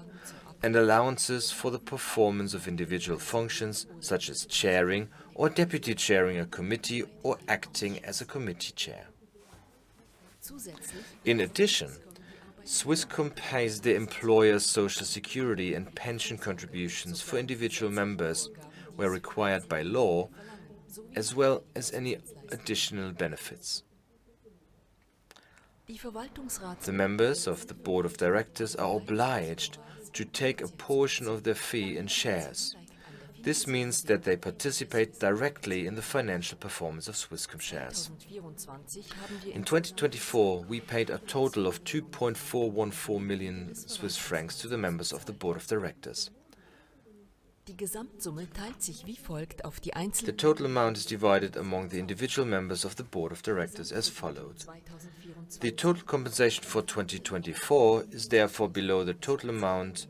and allowances for the performance of individual functions, such as chairing or deputy chairing a committee or acting as a committee chair. In addition, Swisscom pays the employer Social Security and pension contributions for individual members where required by law, as well as any additional benefits. The members of the Board of Directors are obliged to take a portion of their fee in shares. This means that they participate directly in the financial performance of Swisscom shares. In 2024, we paid a total of 2.414 million Swiss francs to the members of the Board of Directors. The total amount is divided among the individual members of the Board of Directors as follows. The total compensation for 2024 is therefore below the total amount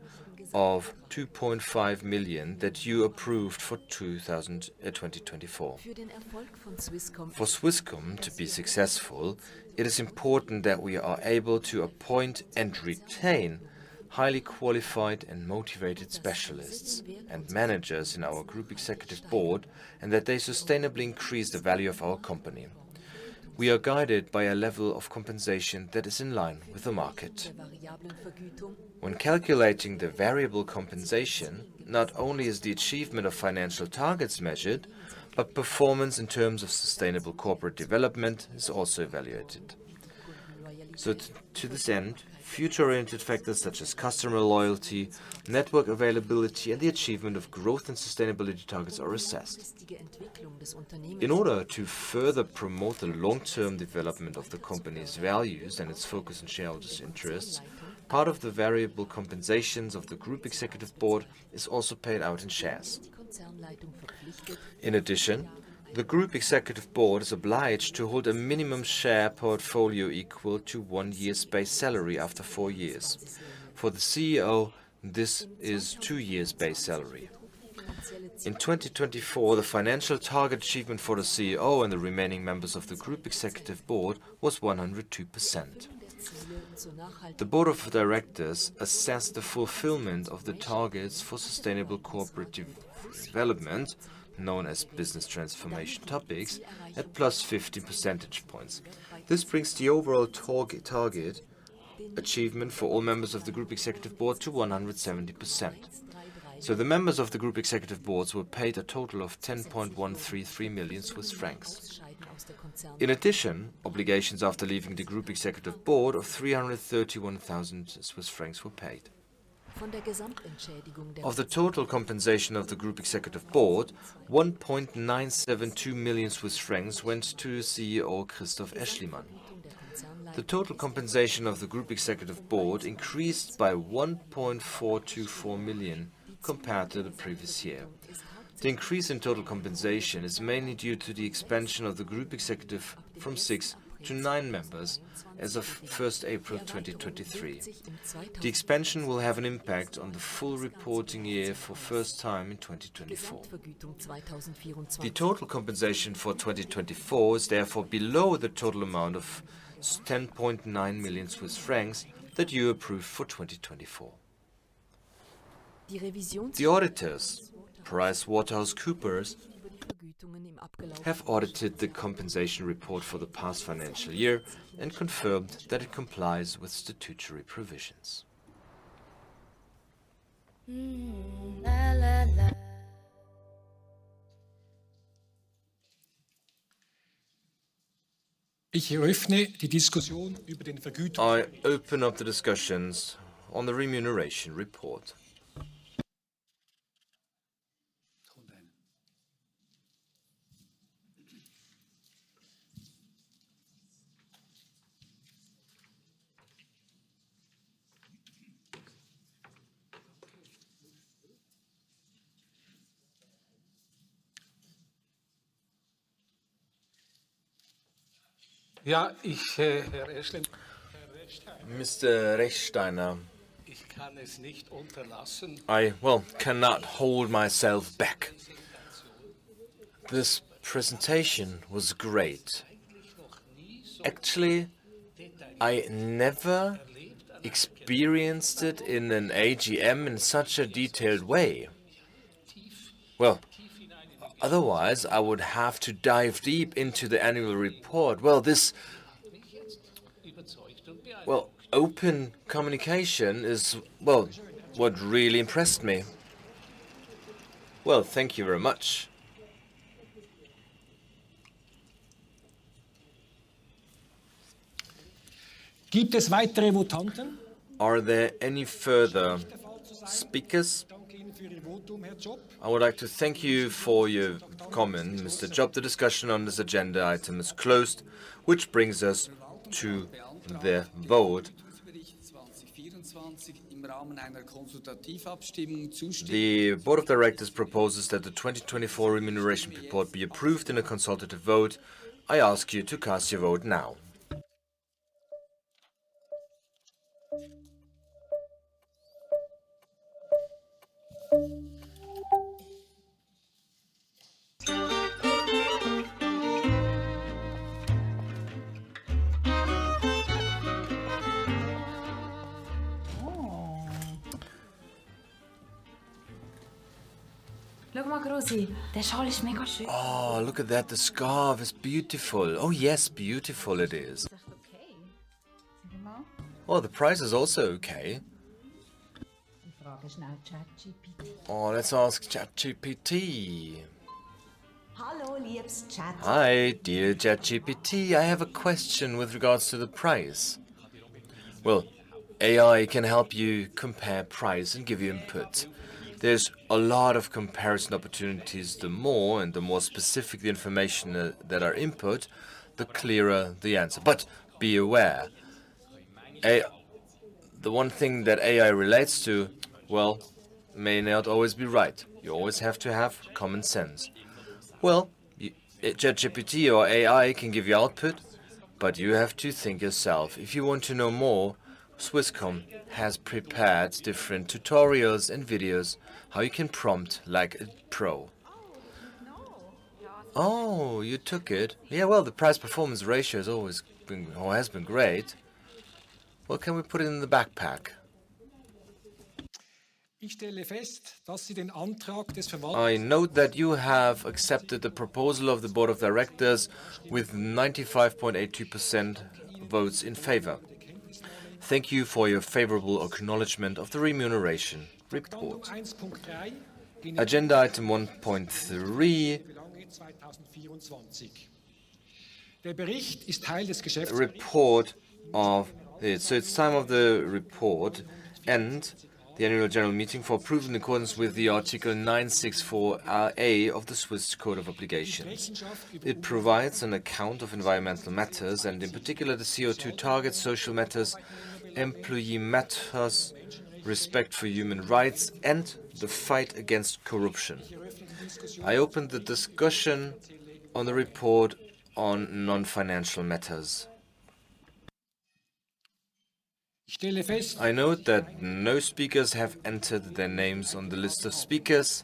of 2.5 million that you approved for 2024. For Swisscom to be successful, it is important that we are able to approve and retain highly qualified and motivated specialists and managers in our Group Executive Board and that they sustainably increase the value of our company. We are guided by a level of compensation that is in line with the market. When calculating the variable compensation, not only is the achievement of financial targets measured, but performance in terms of sustainable cooperative development is also evaluated. To this end, future oriented factors such as customer loyalty, network availability, and the achievement of growth and sustainability targets are assessed in order to further promote the long term development of the company's values and its focus on shareholders' interests. Part of the variable compensation of the Group Executive Board is also paid out in shares. In addition, the Group Executive Board is obliged to hold a minimum share portfolio equal to one year's base salary after four years. For the CEO, this is two years' base salary. In 2024, the financial target achievement for the CEO and the remaining members of the Group Executive Board was 102%. The Board of Directors assessed fulfillment of the targets for sustainable cooperative development known as business transformation topics at 50 percentage points. This brings the overall target achievement for all members of the Group Executive Board to 170%. The members of the Group Executive Board were paid a total of 10.133 million Swiss francs. In addition, obligations after leaving the Group Executive Board of 331,000 Swiss francs were paid. Of the total compensation of the Group Executive Board, 1.972 million Swiss francs went to CEO Christoph Aeschlimann. The total compensation of the Group Executive Board increased by 1.424 million compared to the previous year. The increase in total compensation is mainly due to the expansion of the Group Executive Board from six to nine members as of 1 April 2023. The expansion will have an impact on the full reporting year for the first time in 2024. The total compensation for 2024 is therefore below the total amount of 10.9 million Swiss francs that you approve for 2024. The auditors, PricewaterhouseCoopers, have audited the compensation report for the past financial year and confirmed that it complies with statutory provisions. I open up the discussions on the remuneration report. Mr. Rechtsteiner, I, well, cannot hold myself back. This presentation was great. Actually, I never experienced it in an AGM in such a detailed way. Otherwise I would have to dive deep into the annual report. This, well, open communication is, well, what really impressed me. Thank you very much. Are there any further speakers? I would like to thank you for your comment, Mr. Job. The discussion on this agenda item is closed. Which brings us to the vote. The Board of Directors proposes that the 2024 remuneration report be approved in a consultative vote. I ask you to cast your vote. Oh, look at that. The scarf is beautiful. Oh yes, beautiful it is. Oh, the price is also okay. Oh, let's ask ChatGPT. Hi dear. ChatGPT. I have a question with regards to the price. AI can help you compare price and give you input. There are a lot of comparison opportunities. The more and the more specific the information that are input, the clearer the answer. Be aware the one thing that AI relates to well may not always be right. You always have to have common sense. ChatGPT or AI can give you output, but you have to think yourself if you want to know more. Swisscom has prepared different tutorials and videos how you can prompt like a pro. Oh, you took it. Yeah. The price performance ratio has been great. What can we put it in the backpack? I note that you have accepted the proposal of the Board of Directors with 95.82% votes in favor. Thank you for your favorable acknowledgement of the remuneration agenda. Item 1.3. Report of it. It is time of the report and the annual general meeting for approval in accordance with Article 964 of the Swiss Code of Obligations. It provides an account of environmental matters and in particular the CO2 targets, social matters, employee matters, respect for human rights, and the fight against corruption. I open the discussion on the report on non-financial matters. I note that no speakers have entered their names on the list of speakers.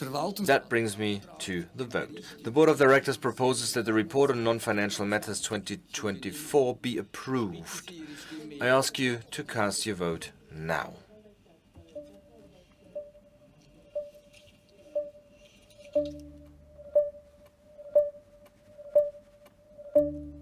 That brings me to the vote. The Board of Directors proposes that the report on non-financial matters 2024 be approved. I ask you to cast your vote now. W.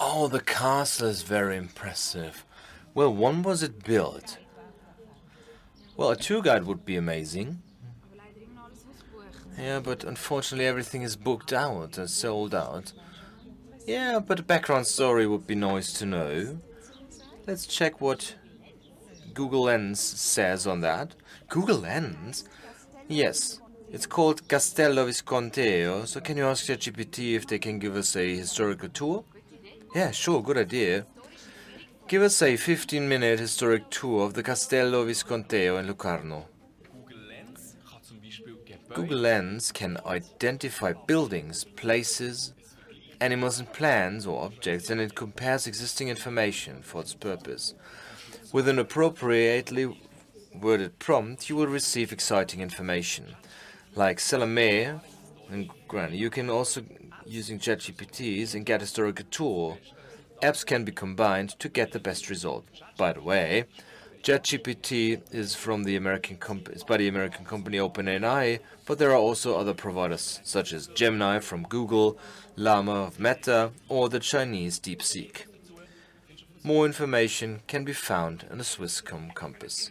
Oh, the castle is very impressive. When was it built? A tour guide would be amazing. Yeah, unfortunately everything is booked out. Sold out? Yeah, a background story would be nice to know. Let's check what Google Lens says on that. Google Lens? Yes, it's called Castello Visconteo. Can you ask ChatGPT if they can give us a historical tour? Yeah, sure. Good idea. Give us a 15 minute historic tour of the Castello Visconteo in Locarno. Google Lens can identify buildings, places, animals and plants or objects and it compares existing information for its purpose with an appropriately worded prompt. You will receive exciting information like Salome. You can also use ChatGPT and get historical tool apps can be combined to get the best result. By the way, ChatGPT is from the American company OpenAI. There are also other providers such as Gemini from Google, Llama of Meta, or the Chinese DeepSeek. More information can be found on the Swisscom Compass.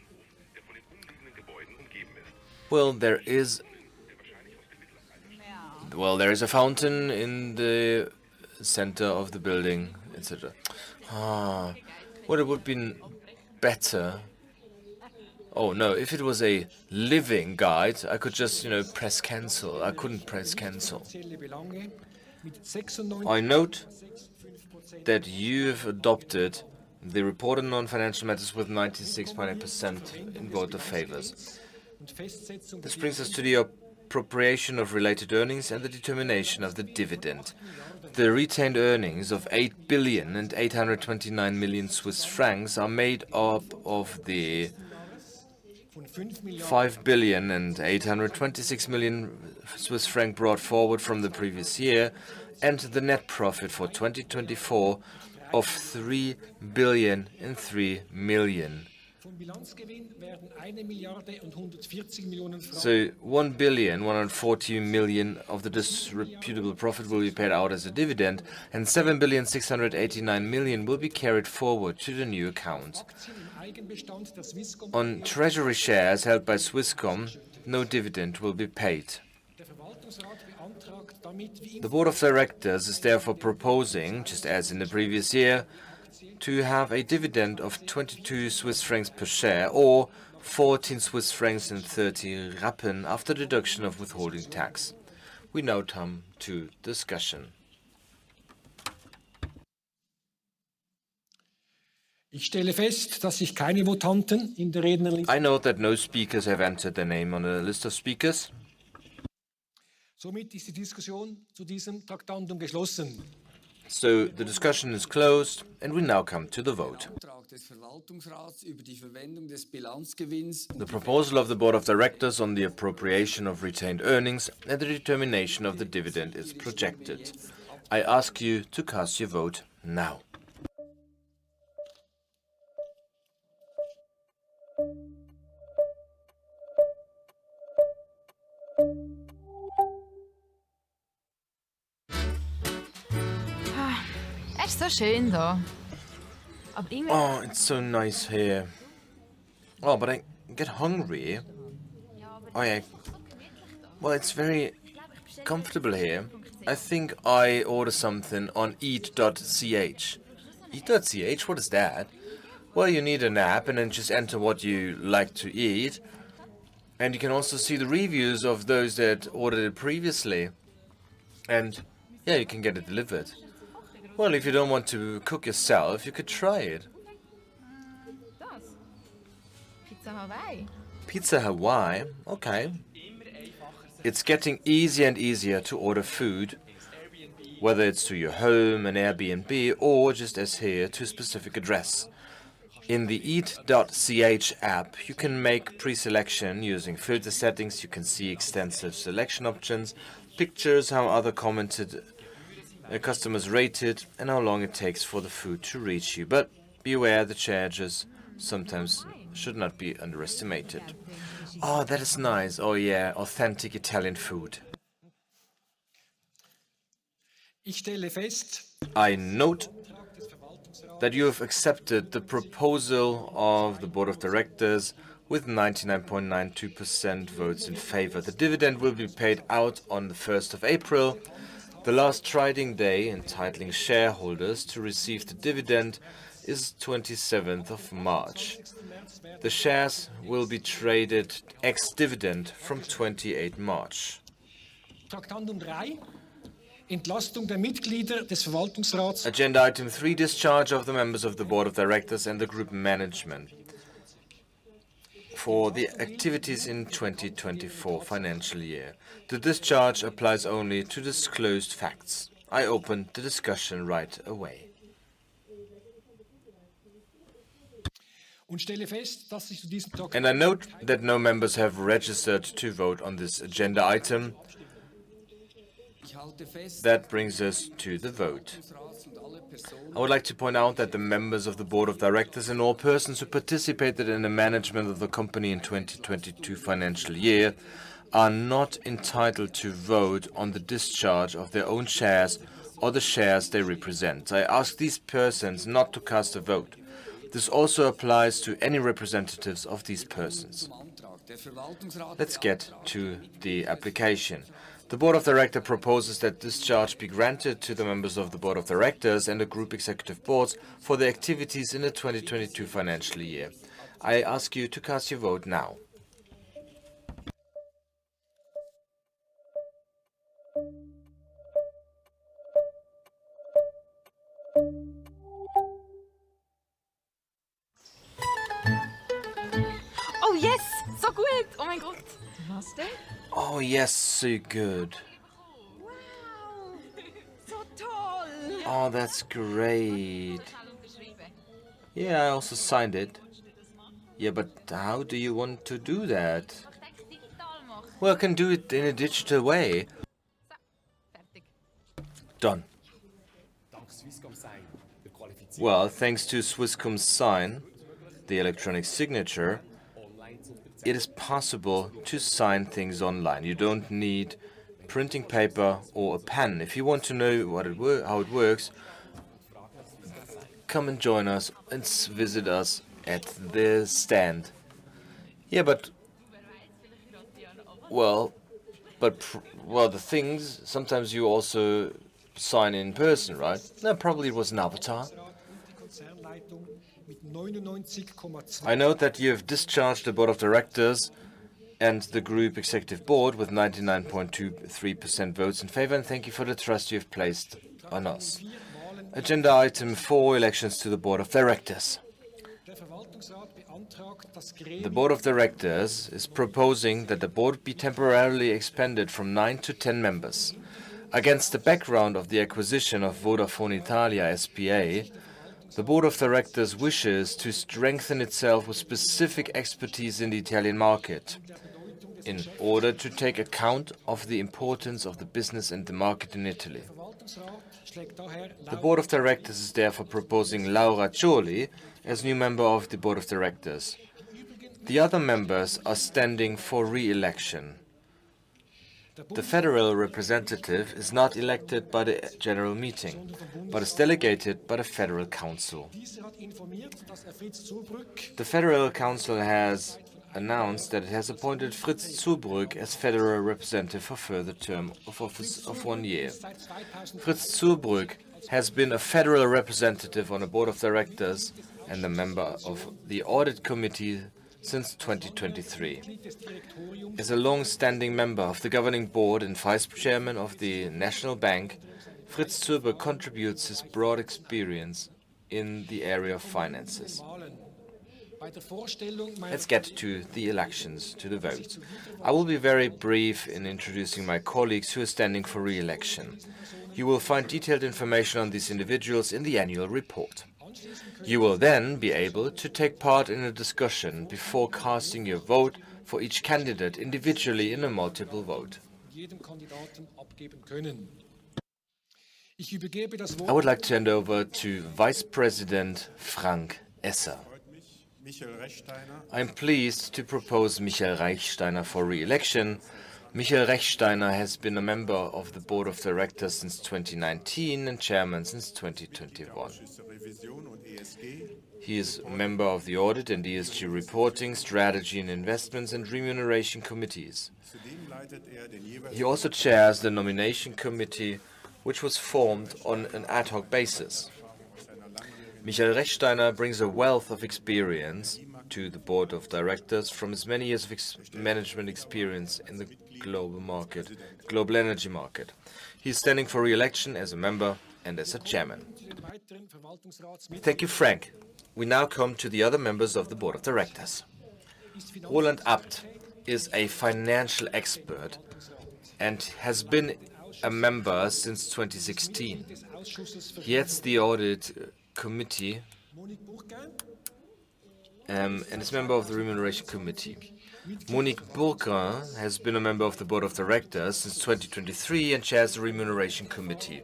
There is a fountain in the center of the building. It would have been better. Oh no. If it was a living guide. I could just, you know, press cancel. I couldn't press cancel. I note that you have adopted the report on non-financial matters with 96.8% in voter favors. This brings us to the appropriation of related earnings and the determination of the dividend. The retained earnings of 8.829 billion are made up of the 5.826 billion brought forward from the previous year and the net profit for 2024 of CHF 3.003 billion. 1,114,000,000 of the distributable profit will be paid out as a dividend and 7,689,000,000 will be carried forward to the new account. On treasury shares held by Swisscom, no dividend will be paid. The Board of Directors is therefore proposing, just as in the previous year, to have a dividend of 22 Swiss francs per share or 14.30 Swiss francs after deduction of withholding tax. We now come to discussion. I note that no speakers have entered their name on a list of speakers. The discussion is closed and we now come to the vote. The proposal of the Board of Directors on the appropriation of retained earnings and the determination of the dividend is projected. I ask you to cast your vote now. Oh, it's so nice here. Oh, but I get hungry. Oh yeah, it's very comfortable here. I think I order something on eat.ch. Eat.ch? What is that? You need an app and then just enter what you like to eat and you can also see the reviews of those that ordered it previously. Yeah, you can get it delivered. If you do not want to cook yourself, you could try it. Pizza Hawaii. Okay. It is getting easier and easier to order food, whether it is to your home and Airbnb or just as here to specific address. In the eat.ch app you can make pre selection using filter settings. You can see extensive selection options, pictures, how other commented customers rated and how long it takes for the food to reach you. Be aware, the charges sometimes should not be underestimated. Oh, that is nice. Oh yeah. Authentic. Authentic Italian food. I note that you have accepted the proposal of the Board of Directors with 99.92% votes in favor. The dividend will be paid out on the 1st of April. The last trading day entitling shareholders to receive the dividend is the 27th of March. The shares will be traded ex dividend from the 28th of March. Agenda. Item three, discharge of the members of the Board of Directors and the Group Management for the activities in the 2024 financial year. The discharge applies only to disclosed facts. I open the discussion right away. I note that no members have registered to vote on this agenda item. That brings us to the vote. I would like to point out that the members of the Board of Directors and all persons who participated in the management of the company in 2022 financial year are not entitled to vote or on the discharge of their own shares or the shares they represent. I ask these persons not to cast a vote. This also applies to any representatives of these persons. Let's get to the application. The Board of Directors proposes that this charge be granted to the members of the Board of Directors and the group executive boards for their activities in the 2022 financial year. I ask you to cast your vote now. The food. Oh, yes. Suck it. Oh my God. Oh yes. So good. Oh, that's great. Yeah, I also signed it. Yeah, but how do you want to do that? I can do it in a digital way. Done well, thanks to Swisscom. Sign the electronic signature. It is possible to sign things online. You don't need printing paper or a pen. If you want to know how it works, come and join us and visit us at the stand. Yeah, but well. But well, the things. Sometimes you also sign in person, right? No, probably it was an avatar. I note that you have discharged the Board of Directors and the Group Executive Board with 99.23% votes in favor. Thank you for the trust you have placed on us. Agenda item 4 Elections to the Board of Directors. The Board of Directors is proposing that the board be temporarily expanded from nine to 10 members against the background of the acquisition of Vodafone Italia SpA. The Board of Directors wishes to strengthen itself with specific expertise in the Italian market in order to take account of the importance of the business and the market in Italy. The Board of Directors is therefore proposing Laura Cioli as new member of the Board of Directors. The other members are standing for re election. The Federal Representative is not elected by the general meeting, but is delegated by the Federal Council. The Federal Council has announced that it has appointed Fritz Zürbrugg as Federal Representative for further term of office of one year. Fritz Zürbrugg has been a Federal representative on the Board of Directors and a member of the Audit Committee since 2023. As a long standing member of the governing board and Vice Chairman of the National Bank, Fritz Zürbrugg contributes his broad experience in the area of finances. Let's get to the elections. To the votes. I will be very brief in introducing my colleagues who are standing for re-election. You will find detailed information on these individuals in the annual report. You will then be able to take part in a discussion before casting your vote for each candidate individually in a multiple vote. I would like to hand over to Vice President Frank Esser. I am pleased to propose Michael Rechtsteiner for re-election. Michael Rechtsteiner has been a member of the Board of Directors since 2019 and Chairman since 2021. He is member of the Audit and ESG Reporting, Strategy and Investment and Remuneration Committees. He also chairs the Nomination Committee which was formed on an ad hoc basis. Michael Rechtsteiner brings a wealth of experience to the Board of Directors from his many years of management experience in the global energy market. He is standing for re-election as a member and as Chairman. Thank you, Frank. We now come to the other members of the Board of Directors. Roland Abt is a financial expert and has been a member since 2016. He heads the Audit Committee and is a member of the Remuneration Committee. Monique Bourquin has been a member of the Board of Directors since 2023 and chairs the Remuneration Committee.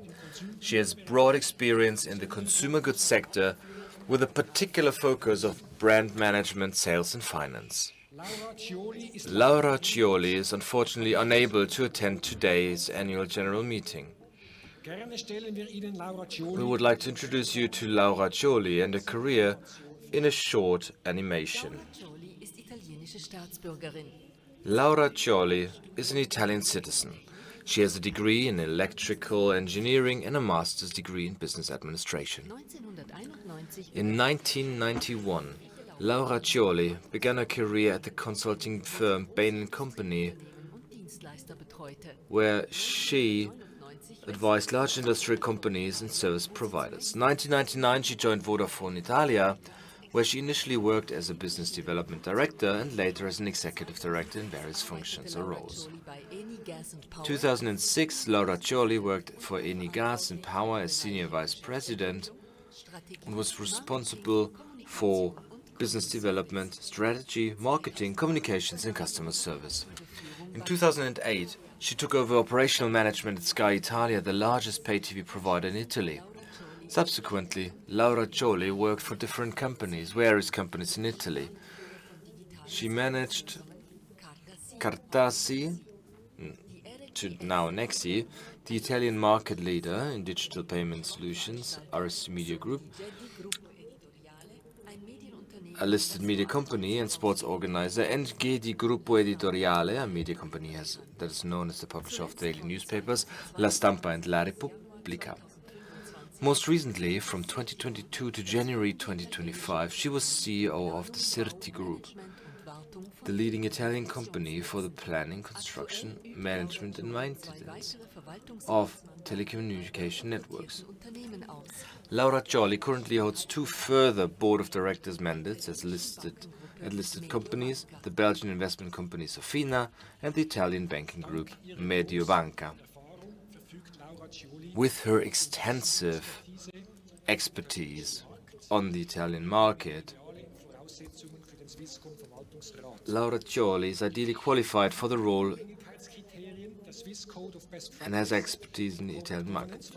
She has broad experience in the consumer goods sector with a particular focus on brand management, sales, and finance. Laura Cioli is unfortunately unable to attend today's annual general meeting. We would like to introduce you to Laura Cioli and her career in a short animation. Laura Cioli is an Italian citizen. She has a degree in electrical engineering and a master's degree in business administration. In 1991, Laura Cioli began her career at the consulting firm Bain & Company where she advised large industry companies and service providers. In 1999, she joined Vodafone Italia where she initially worked as Business Development Director and later as an Executive Director in various functions or roles. In 2006, Laura Cioli worked for Enel as Senior Vice President and was responsible for business development, strategy, marketing, communications, and customer service. In 2008, she took over operational management at Sky Italia, the largest pay TV provider in Italy. Subsequently, Laura Cioli worked for different companies, various companies in Italy. She managed Cartessi, now Nexi, the Italian market leader in digital payment solutions, RSC Media Group, a listed media company and sports organizer, and Gedi Gruppo Editoriale, a media company that is known as the publisher of the daily newspapers La Stampa and La Repubblica. Most recently, from 2022 to January 2025 she was CEO of the CERTI Group, the leading Italian company for the planning, construction, management and maintenance of telecommunication networks. Laura Cioli currently holds two further Board of Directors mandates in listed companies, the Belgian investment company Sofina and the Italian banking group Mediobanca. With her extensive expertise on the Italian market, Laura Cioli is ideally qualified for the role and has expertise in Italian markets.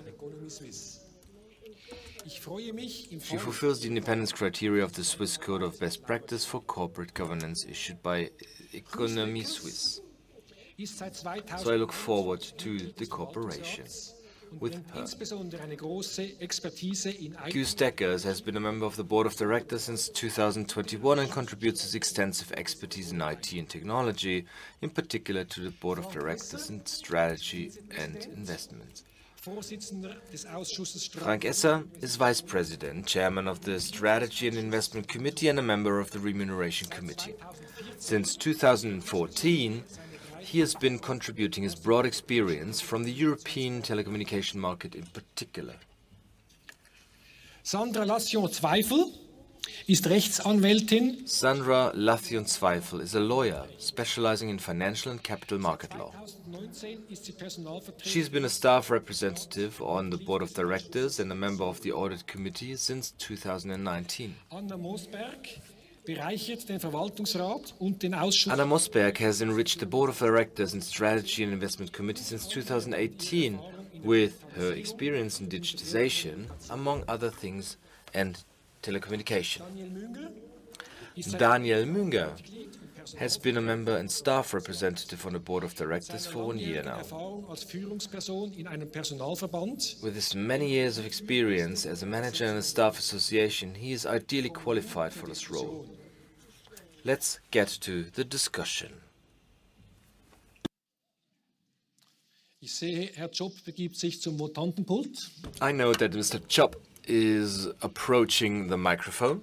She fulfills the independence criteria of the Swiss Code of Best Practice for Corporate Governance issued by Economiesuisse. I look forward to the cooperation with help. Hugh Steckers has been a member of the Board of Directors since 2021 and contributes his extensive expertise in IT and technology, in particular to the Board of Directors in Strategy and Investment, is Vice President, Chairman of the Strategy and Investment Committee and a member of the Remuneration Committee since 2014. He has been contributing his broad experience from the European telecommunication market in particular. Sandra Lathion-Zwahlen is a lawyer specializing in financial and capital market law. She has been a staff representative on the Board of Directors and a member of the Audit Committee since 2019. Anna Mossberg has enriched the Board of Directors in Strategy and Investment Committee since 2018 with her experience in digitization, among other things, and telecommunication. Daniel Munger has been a member and staff representative on the Board of Directors for one year now. With his many years of experience as a manager in a staff association, he is ideally qualified for this role. Let's get to the discussion. I know that Mr. Chop is approaching the microphone.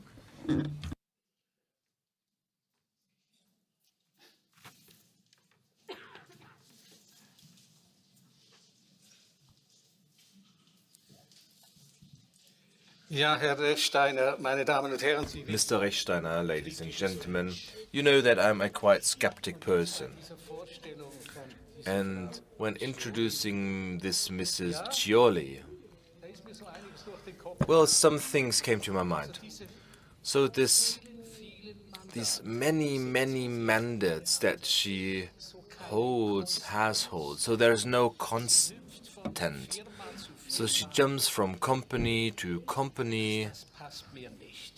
Mr. Erner, ladies and gentlemen, you know that I'm a quite skeptic person and when introducing this Mrs. Cioli, some things came to my mind. These many, many mandates that she holds, has held. There is no content. She jumps from company to company.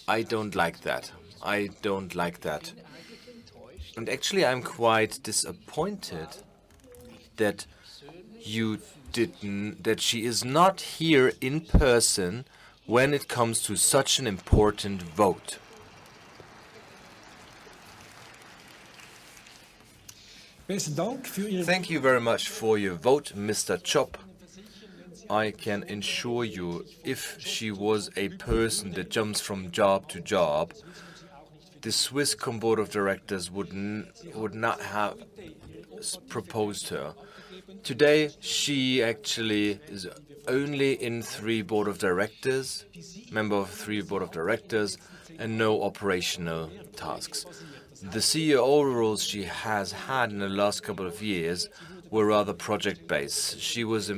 I don't like that. I don't like that. Actually, I'm quite disappointed that you didn't, that she is not here in person when it comes to such an important vote. Thank you very much for your vote, Mr. Chop. I can ensure you if she was a person that jumps from job to job, the Swisscom Board of Directors would not have proposed her. Today she actually is only in three board of directors, member of three Board of Directors and no operational tasks. The CEO roles she has had in the last couple of years were rather project based. She was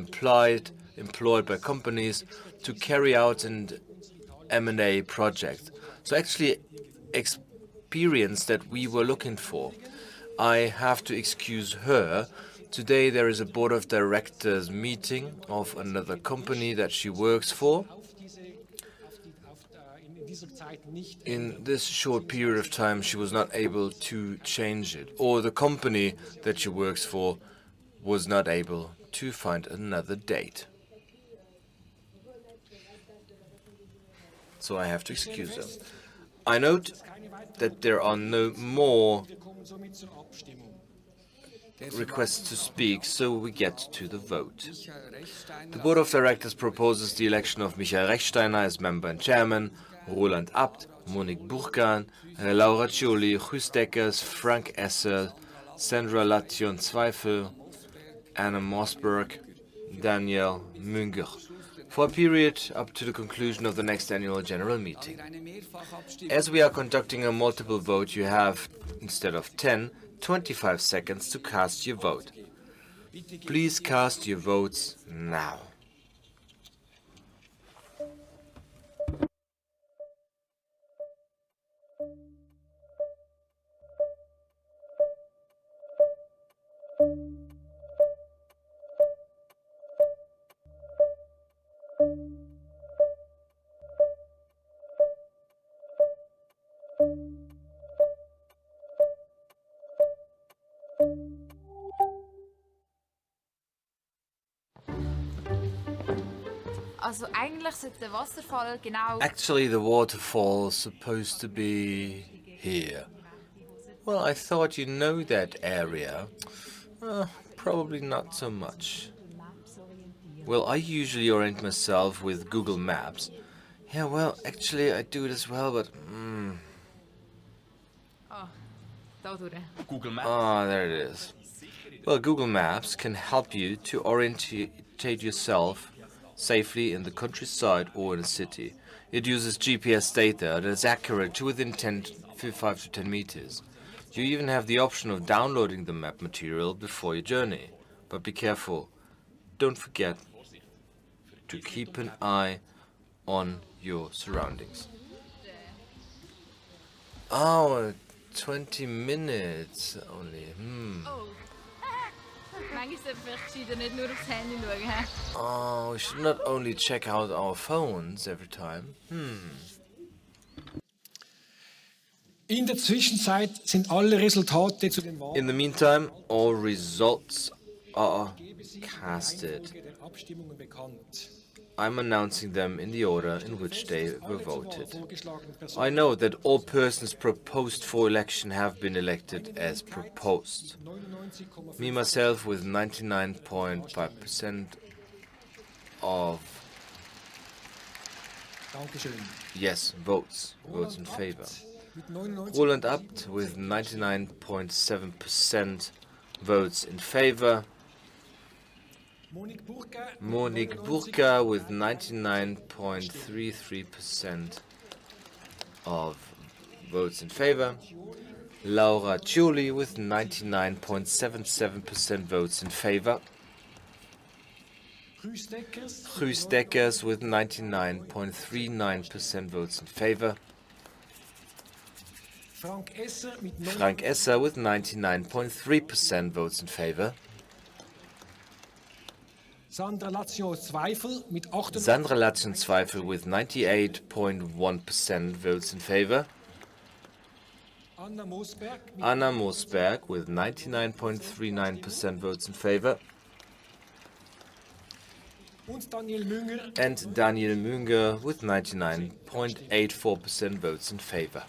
employed by companies to carry out an M&A project. So actually experience that we were looking for. I have to excuse her. Today there is a Board of Directors meeting of another company that she works for. In this short period of time she was not able to change it or the company that she works for was not able to find another date, so I have to excuse us. I note that there are no more requests to speak. We get to the vote. The Board of Directors proposes the election of Michael Rechtsteiner as member and chairman. Roland Abt, Monique Bourquin, Laura Cioli, Guus Dekkers, Frank Esser. Sandra Lathion-Zwahlen. Anna Mossberg. Daniel Munger. For a period up to the conclusion of the next annual general meeting, as we are conducting a multiple vote. You have instead of 1,025 seconds to cast your vote. Please cast your votes now. Actually, the waterfall supposed to be here. I thought you know that area. Probably not so much. I usually orient myself with Google Maps. Yeah, actually I do it as well, but. Oh, there it is. Google Maps can help you to orientate yourself safely in the countryside or in a city. It uses GPS data that is accurate to within 5-10 meters. You even have the option of downloading the map material before your journey. Be careful. Do not forget to keep an eye on your surroundings. Oh, 20 minutes only. We should not only check out our phones every time. In the meantime, all results are casted. I'm announcing them in the order in which they were voted. I know that all persons proposed for election have been elected as proposed. Me myself with 99.5% of yes votes in favor. Roland Abt with 99.7% votes in favor. Monique Burquin with 99.33% of votes in favor. Laura Cioli with 99.77% votes in favor. Fritz Züger with 99.39% votes in favor. Frank Esser with 99.3% votes in favor. Sandra Lathion-Zwahlen with 98.1% votes in favor. Anna Mossberg with 99.39% votes in favor. And Daniel Munger with 99.84% votes in favor.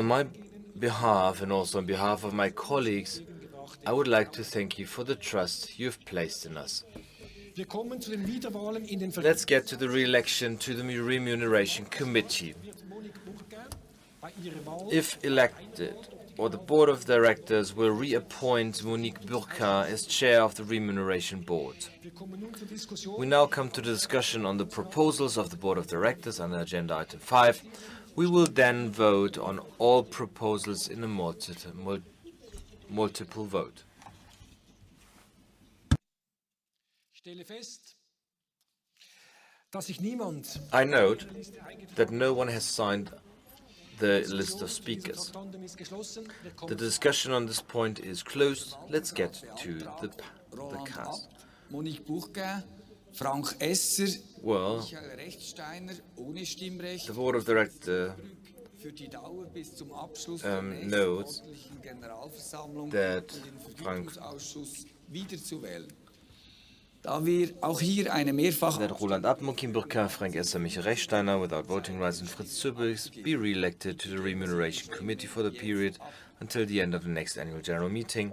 On behalf and also on behalf of my colleagues, I would like to thank you for the trust you have placed in us. Let's get to the re-election to the Remuneration Committee. If elected, the Board of Directors will reappoint Monique Bourquin as chair of the Remuneration Board. We now come to the discussion on the proposals of the Board of Directors. Under Agenda Item 5, we will then vote on all proposals in a multiple vote. I note that no one has signed the list of speakers. The discussion on this point is closed. Let's get to the cast. The Board of Directors notes that. Be re-elected to the Remuneration Committee for the period until the end of the next election. Annual General Meeting.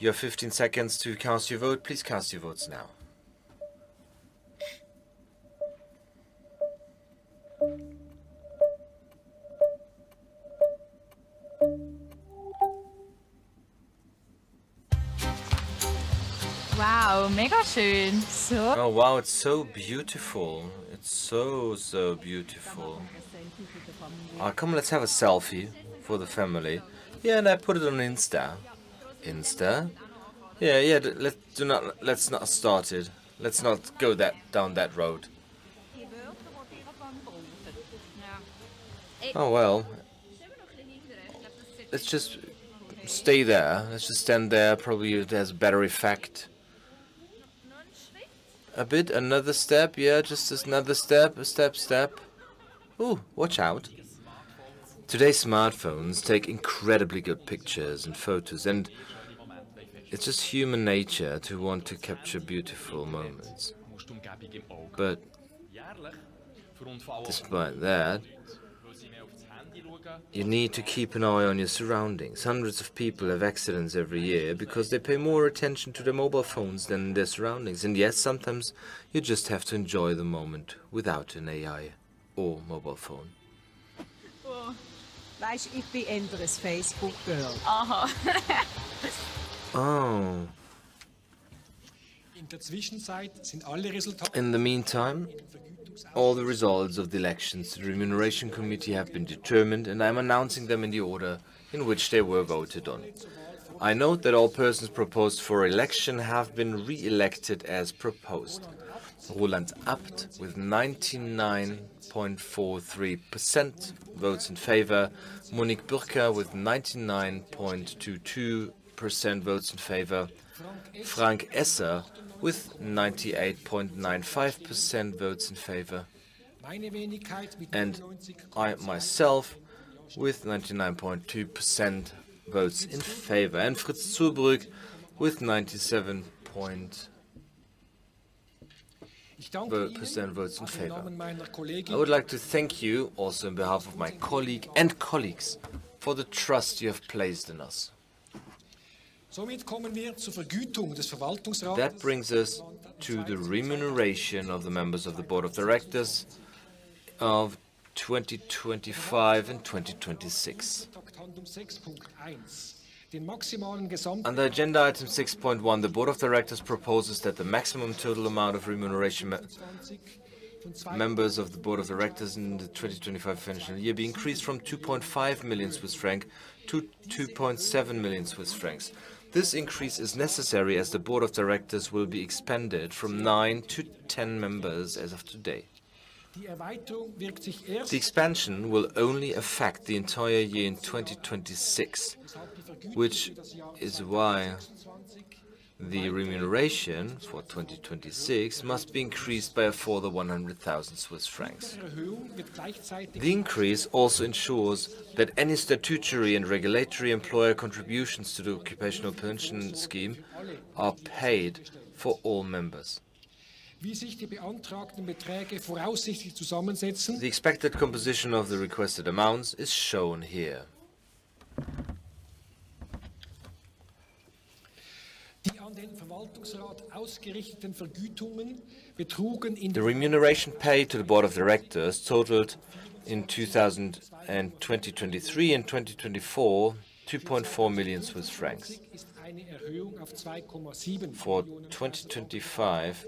You have 15 seconds to cast your vote. Please cast your votes now. Wow. Mega. Tun. Oh. Wow. It's so beautiful. It's so, so beautiful. Come, let's have a selfie for the family. Yeah. And I put it on Insta. Insta. Yeah, yeah. Let's not start it. Let's not go that, down that road. Oh, let's just stay there. Let's just stand there. Probably it has a better effect a bit. Another step. Yeah, just another step. A step. Step. Oh, watch out. Today's smartphones take incredibly good pictures and photos. It's just human nature to want to capture beautiful moments. Despite that, you need to keep an eye on your surroundings. Hundreds of people have accidents every year because they pay more attention to their mobile phones than their surroundings. Yes, sometimes you just have to enjoy the moment without an AI or mobile phone. In the meantime, all the results of the elections the Remuneration Committee have been determined and I am announcing them in the order in which they were voted on. I note that all persons proposed for election have been re-elected as proposed. Roland Abt with 99.43% votes in favor. Monique Bourquin with 99.22% votes in favor. Frank Esser with 98.95% votes in favor. I myself with 99.2% votes in favor. Fritz Zurbrugg with 97.0% votes in favor. I would like to thank you also on behalf of my colleague and colleagues for the trust you have placed in us. That brings us to the remuneration of the members of the Board of Directors of 2025 and 2026. Under Agenda Item 6.1, the Board of Directors proposes that the maximum total amount of remuneration members of the Board of Directors in the 2025 financial year be increased from 2.5 million Swiss francs to 2.7 million Swiss francs. This increase is necessary as the Board of Directors will be expanded from nine to 10 members. As of today, the expansion will only affect the entire year in 2026, which is why the remuneration for 2026 must be increased by a further 100,000 Swiss francs. The increase also ensures that any statutory and regulatory employer contributions to the occupational pension scheme are paid for all members. The expected composition of the requested amounts is shown here. The remuneration paid to the Board of Directors totaled in 2023 and 2024. 2.4 million Swiss francs for 2025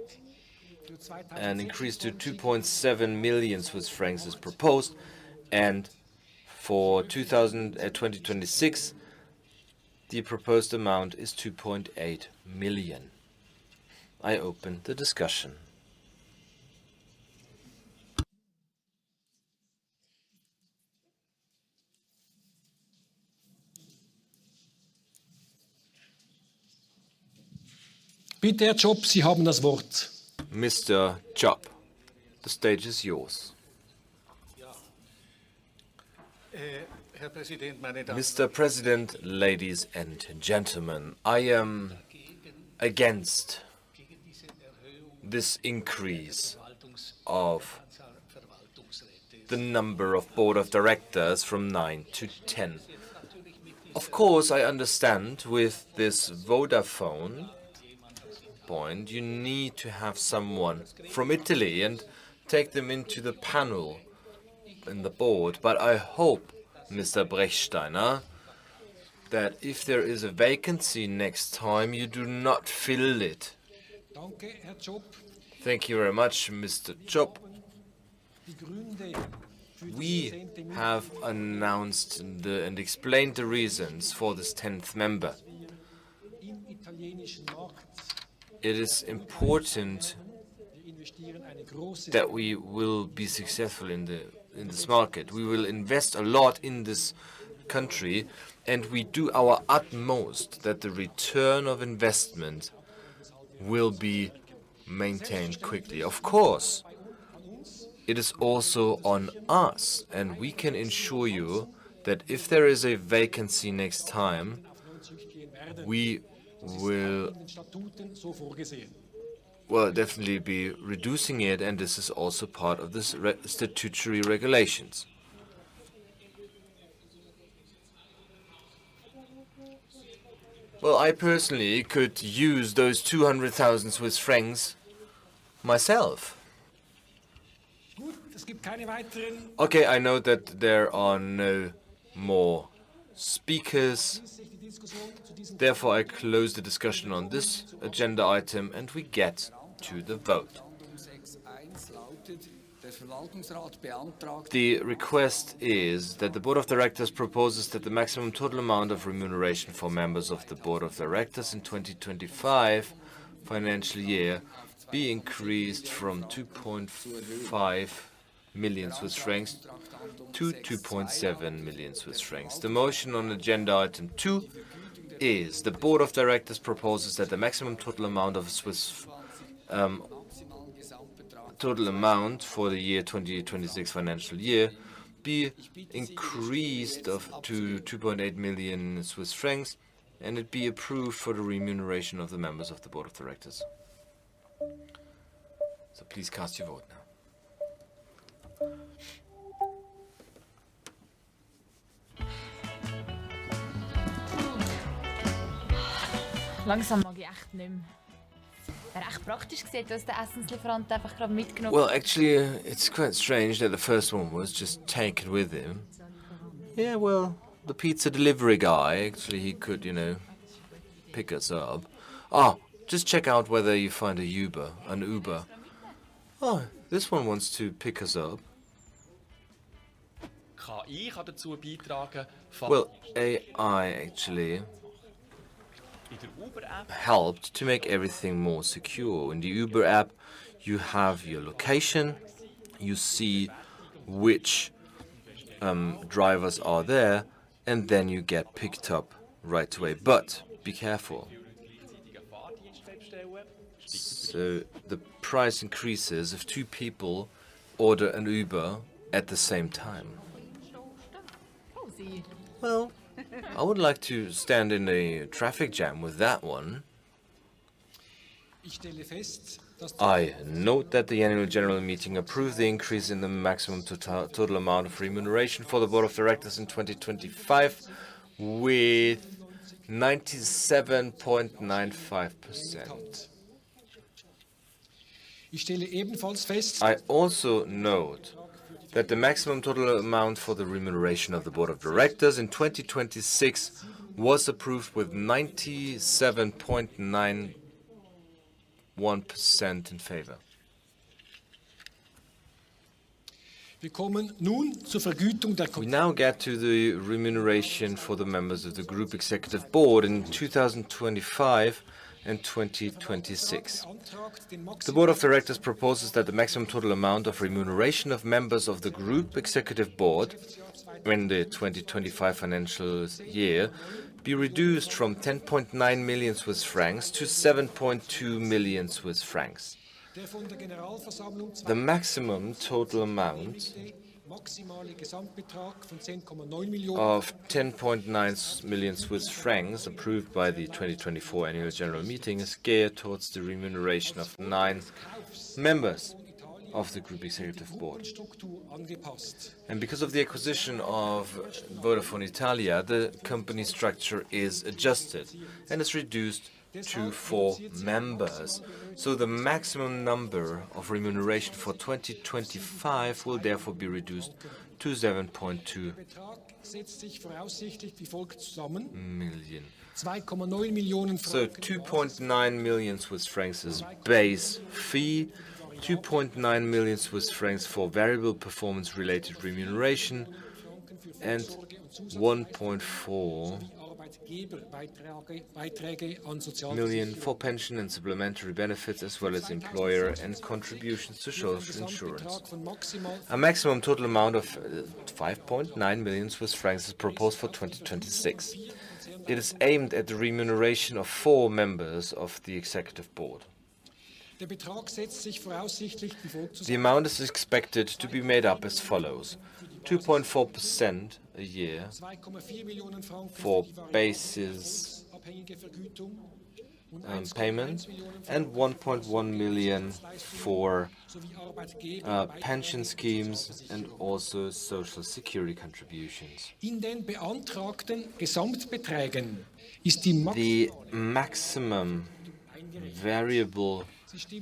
and increased to 2.7 million Swiss francs as proposed. For 2026, the proposed amount is 2.8 million. I open the discussion. Mr. Chop, the stage is yours. Mr. President. Ladies and gentlemen, I am against this increase of the number of Board of Directors from nine to ten. Of course, I understand with this Vodafone point, you need to have someone from Italy and take them into the panel in the board. I hope, Mr. Rechtsteiner, that if there is a vacancy next time you do not fill it. Thank you very much, Mr. Chop. We have announced and explained the reasons for this tenth member. It is important that we will be successful in this market. We will invest a lot in this country and we do our utmost that the return of investment will be maintained quickly. Of course, it is also on us and we can ensure you that if there is a vacancy next time, we will definitely be reducing it. This is also part of the statutory regulations. I personally could use those 200,000 Swiss francs myself. Okay, I know that there are no more speakers. Therefore I close the discussion on this agenda item and we get to the vote. The request is that the Board of Directors proposes that the maximum total amount of remuneration for members of the Board of Directors in the 2025 financial year be increased from 2.5 million Swiss francs to 2.7 million Swiss francs. The motion on agenda item two is the Board of Directors proposes that the maximum total amount of Swiss total amount for the year 2026 financial year be increased to 2.8 million Swiss francs and it be approved for the remuneration of the members of the Board of Directors. Please cast your vote now. Actually, it's quite strange that the first one was just taken with him. Yeah, the pizza delivery guy, actually he could, you know, pick us up. Just check out whether you find a Uber. An Uber? Oh, this one wants to pick us up. AI actually helped to make everything more secure. In the Uber app, you have your location, you see which drivers are there, and then you get picked up right away. Be careful so the price increases if two people order an Uber at the same time. I would like to stand in a traffic jam with that one. I note that the Annual General Meeting approved the increase in the maximum total amount of remuneration for the Board of Directors in 2025 with 97.95%. I also note that the maximum total amount for the remuneration of the Board of Directors in 2026 was approved with 97.91% in favor. We now get to the remuneration for the members of the Group Executive Board in 2025 and 2026. The Board of Directors proposes that the maximum total amount of remuneration of members of the Group Executive Board in the 2025 financial year be reduced from 10.99 million Swiss francs to 7.2 million Swiss francs. The maximum total amount of 10.9 million Swiss francs, approved by the 2024 Annual General Meeting, is geared towards the remuneration of nine members of the Group Executive Board. Because of the acquisition of Vodafone Italia, the company structure is adjusted and is reduced to four members. The maximum number of remuneration for 2025 will therefore be reduced to 7.2 million Swiss francs. 2.9 million Swiss francs base fee, 2.9 million Swiss francs for variable performance related remuneration, and 1.4 million for pension and supplementary benefits as well as employer and contributions to social insurance. A maximum total amount of 5.9 million Swiss francs is proposed for 2026. It is aimed at the remuneration of four members of the Exception Executive Board. The amount is expected to be made up as 2.4% a year for basis payments and CHF 1.1 million for pension schemes and also Social Security contributions. The maximum variable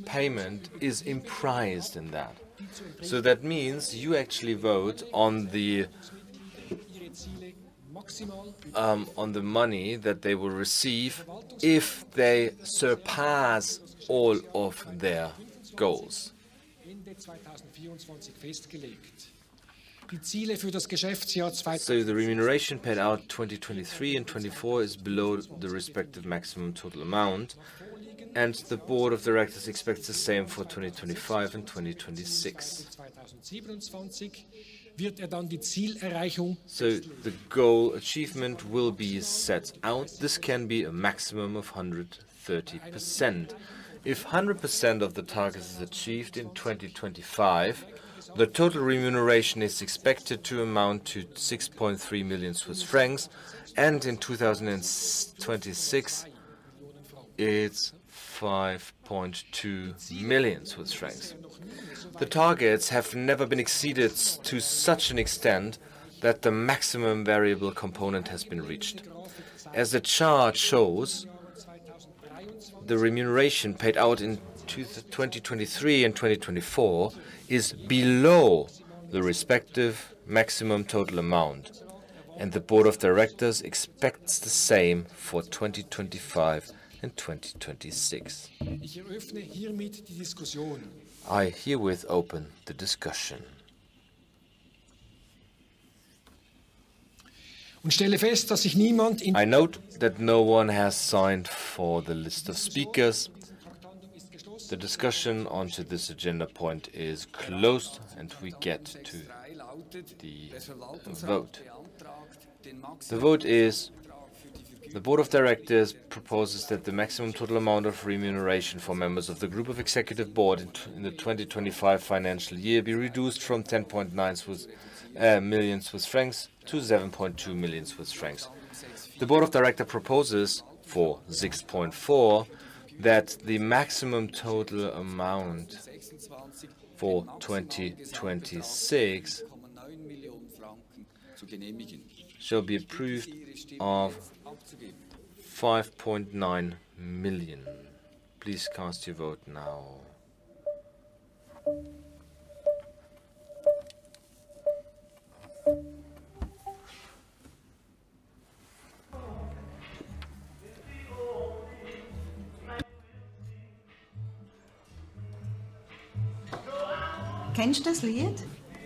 payment is imprisoned in that, so that means you actually vote on the money that they will receive if they surpass all of their goals. The remuneration paid out 2023 and 2024 is below the respective maximum total amount. The Board of Directors expects the same for 2025 and 2026. The goal achievement will be set out. This can be a maximum of 130%. If 100% of the targets are achieved in 2025, the total remuneration is expected to amount to 6.3 million Swiss francs, and in 2026 it is 5.2 million Swiss francs. The targets have never been exceeded to such an extent that the maximum variable component has been reached. As the chart shows, the remuneration paid out in 2023 and 2024 is below the respective maximum total amount and the Board of Directors expects the same for 2025 and 2026. I herewith open. I note that no one has signed for the list of speakers. The discussion onto this agenda point is closed and we get to the vote. The vote is the Board of Directors proposes that the maximum total amount of remuneration for members of the Group Executive Board in the 2025 financial year be reduced from 10.9 million Swiss francs to 7.2 million Swiss francs. The Board of Directors proposes for 6.4 that the maximum total amount for 2026 shall be approved of 5.9 million. Please cast your vote now.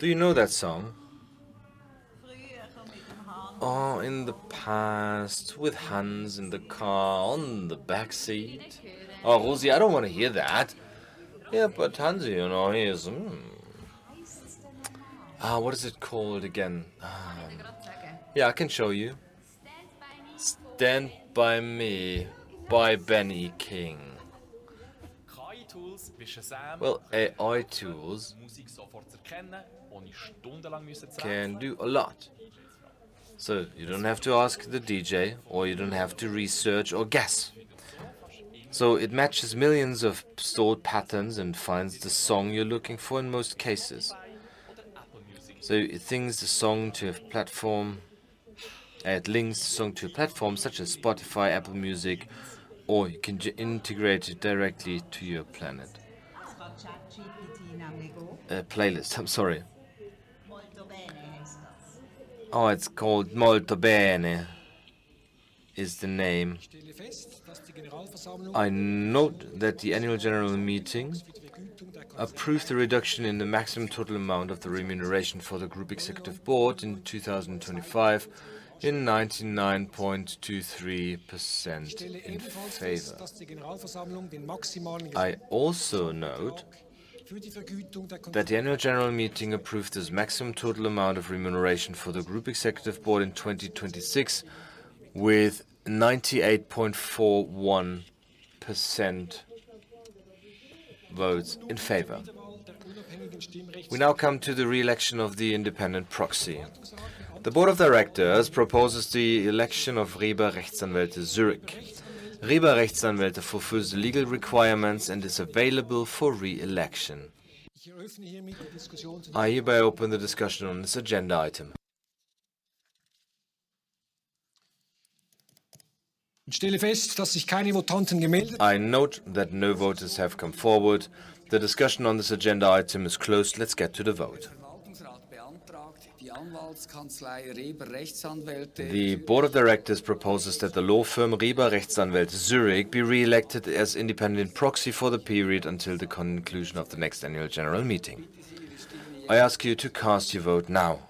Do you know that song? Oh, in the past with Hans in the car on the back seat. Oh, Rosie, I don't want to hear that. Yeah, but Hansi, you know, he is. Ah. What is it called again? Yeah, I can show you "Stand By Me" by Ben E. King. AI Tool can do a lot so you don't have to ask the DJ or you don't have to research or guess. It matches millions of stored patterns and finds the song you're looking for in most cases. It sings the song to a platform, adds links to a platform such as Spotify, Apple Music, or you can integrate it directly to your playlist. I'm sorry. It's called Moltobene is the name. I note that the annual general meeting approved the reduction in the maximum total amount of the remuneration for the Group Executive Board in 2025 in 99.23% favor. I also note that the annual general meeting approved this maximum total amount of remuneration for the Group Executive Board in 2026 with 98.41% votes in favor. We now come to the re-election of the independent proxy. The Board of Directors proposes the election of Reber Rechtsanwälte Zurich. Reber Rechtsanwälte fulfills the legal requirements and is available for re-election. I hereby open the discussion on this agenda item. I note that no voters have come forward. The discussion on this agenda item is closed. Let's get to the vote. The Board of Directors proposes that the law firm Rieber Rectsan Welte Zurich be re-elected as independent proxy for the period until the conclusion of the next annual general meeting. I ask you to cast your vote now.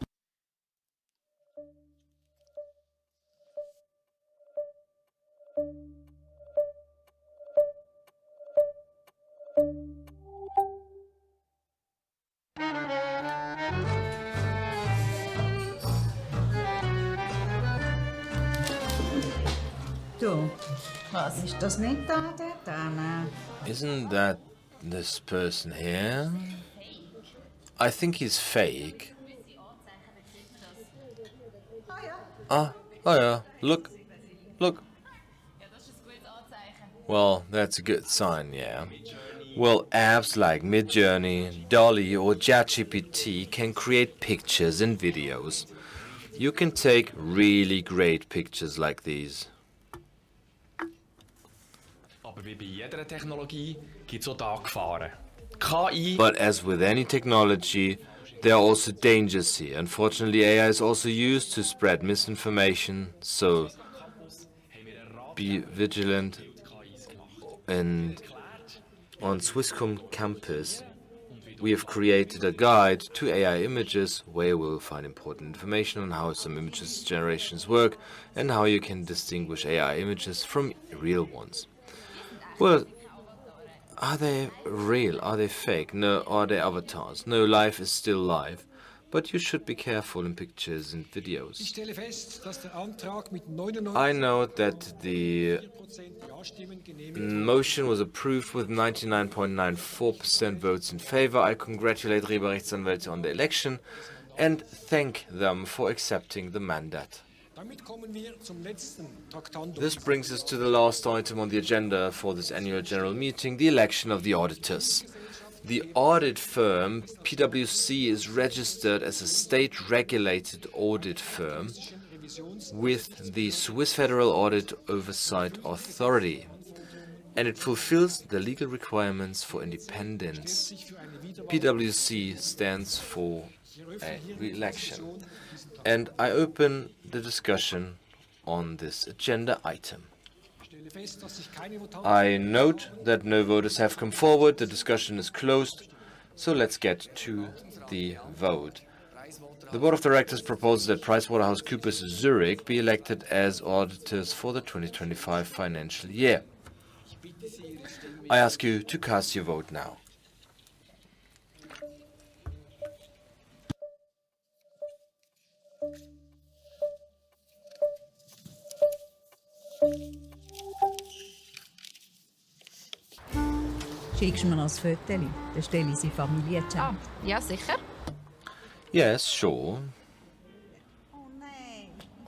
Isn't that this person here? I think he's fake. Oh yeah. Look, look. That's a good sign. Yeah. Apps like Midjourney, Dall E, or ChatGPT can create pictures and videos. You can take really great pictures like these. As with any technology, there are also dangers here. Unfortunately, AI is also used to spread misinformation. Be vigilant. On Swisscom campus we have created a guide to AI images where you'll find important information on how some image generations work and how you can distinguish AI images from real ones. Are they real? Are they fake? No. Are they avatars? No, life is still live, but you should be careful in pictures and videos. I note that the motion was approved with 99.94% votes in favor. I congratulate Rieberich Zan Welter on the election and thank them for accepting the mandate. This brings us to the last item on the agenda for this annual general meeting. The election of the auditors. The audit firm PwC is registered as a state regulated audit firm with the Swiss Federal Audit Oversight Authority and it fulfills the legal requirements for independence. PwC stands for re-election. I open the discussion on this agenda item. I note that no voters have come forward. The discussion is closed. Let's get to the vote. The Board of Directors proposes that PricewaterhouseCoopers Zurich be elected as auditors for the 2025 financial year. I ask you to cast your vote. Yes, sure.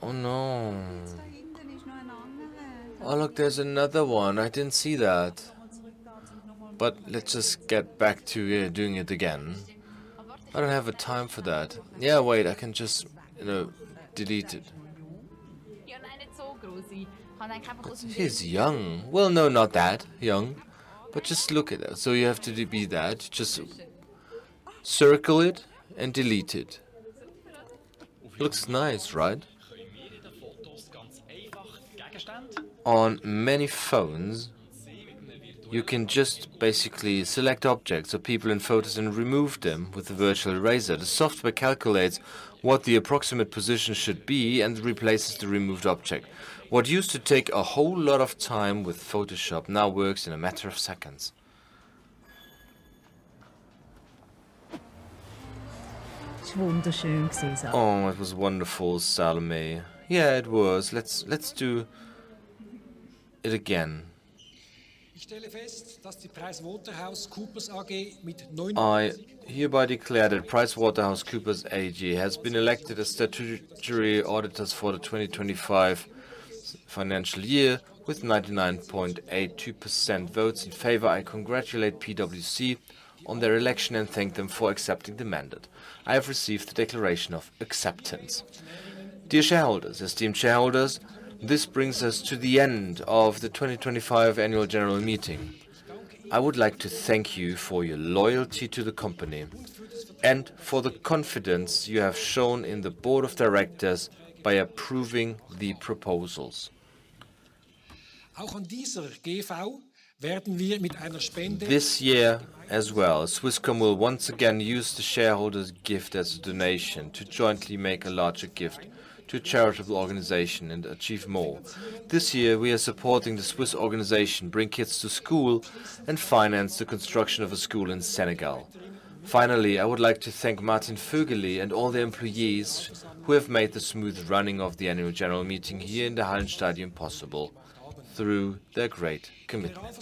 Oh, no. Oh, look, there's another one. I didn't see that, but let's just get back to doing it again. I don't have a time for that. Yeah, wait, I can just, you know, delete it. He's young. No, not that young, but just look at it. You have to be that. Just circle it and delete it. Looks nice, right? On many phones, you can just basically select objects or people in photos and remove them. With the virtual eraser, the software calculates what the approximate position should be and replaces the removed object. What used to take a whole lot of time with Photoshop now works in a matter of seconds. Oh, it was wonderful, Salome. He. Yeah, it was. Let's do it again. I hereby declare that PricewaterhouseCoopers AG has been elected as statutory auditors for the 2025 financial year with 99.82% votes in favor. I congratulate PwC on their election and thank them for accepting the mandate. I have received the declaration of acceptance. Dear shareholders, esteemed shareholders, this brings us to the end of the 2025 Annual General Meeting. I would like to thank you for your loyalty to the company and for the confidence you have shown in the Board of Directors by approving the proposals. This year as well, Swisscom will once again use the shareholders gift as a donation to jointly make a larger gift to a charitable organization and achieve more. This year, we are supporting the Swiss organization, Bring Kids Back to School, and finance the construction of a school in Senegal. Finally, I would like to thank Martin Vögeli and all the employees who have made the smooth running of the Annual General Meeting here in the Hallenstadion possible. Through their great commitment,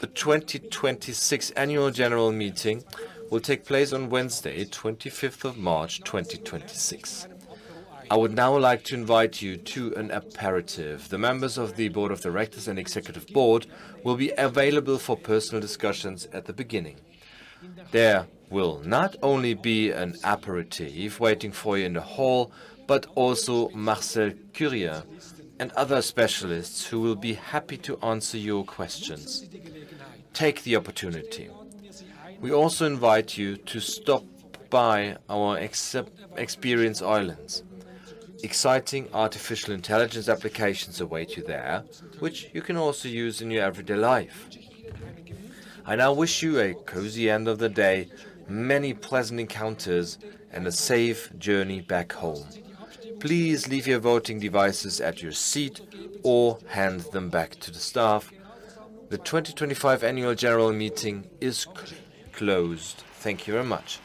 the 2026 Annual General Meeting will take place on Wednesday, 25th of March 2026. I would now like to invite you to an aperitif. The members of the Board of Directors and Executive Board will be available for personal discussions. At the beginning, there will not only be an aperitif waiting for you in the hall, but also Marcel Curia and other specialists who will be happy to answer your questions. Take the opportunity. We also invite you to stop by our Experience Islands. Exciting artificial intelligence applications await you there, which you can also use in your everyday life. I now wish you a cozy end of the day, many pleasant encounters, and a safe journey back home. Please leave your voting devices at your seat or hand them back to the staff. The 2025 annual general meeting is closed. Thank you very much.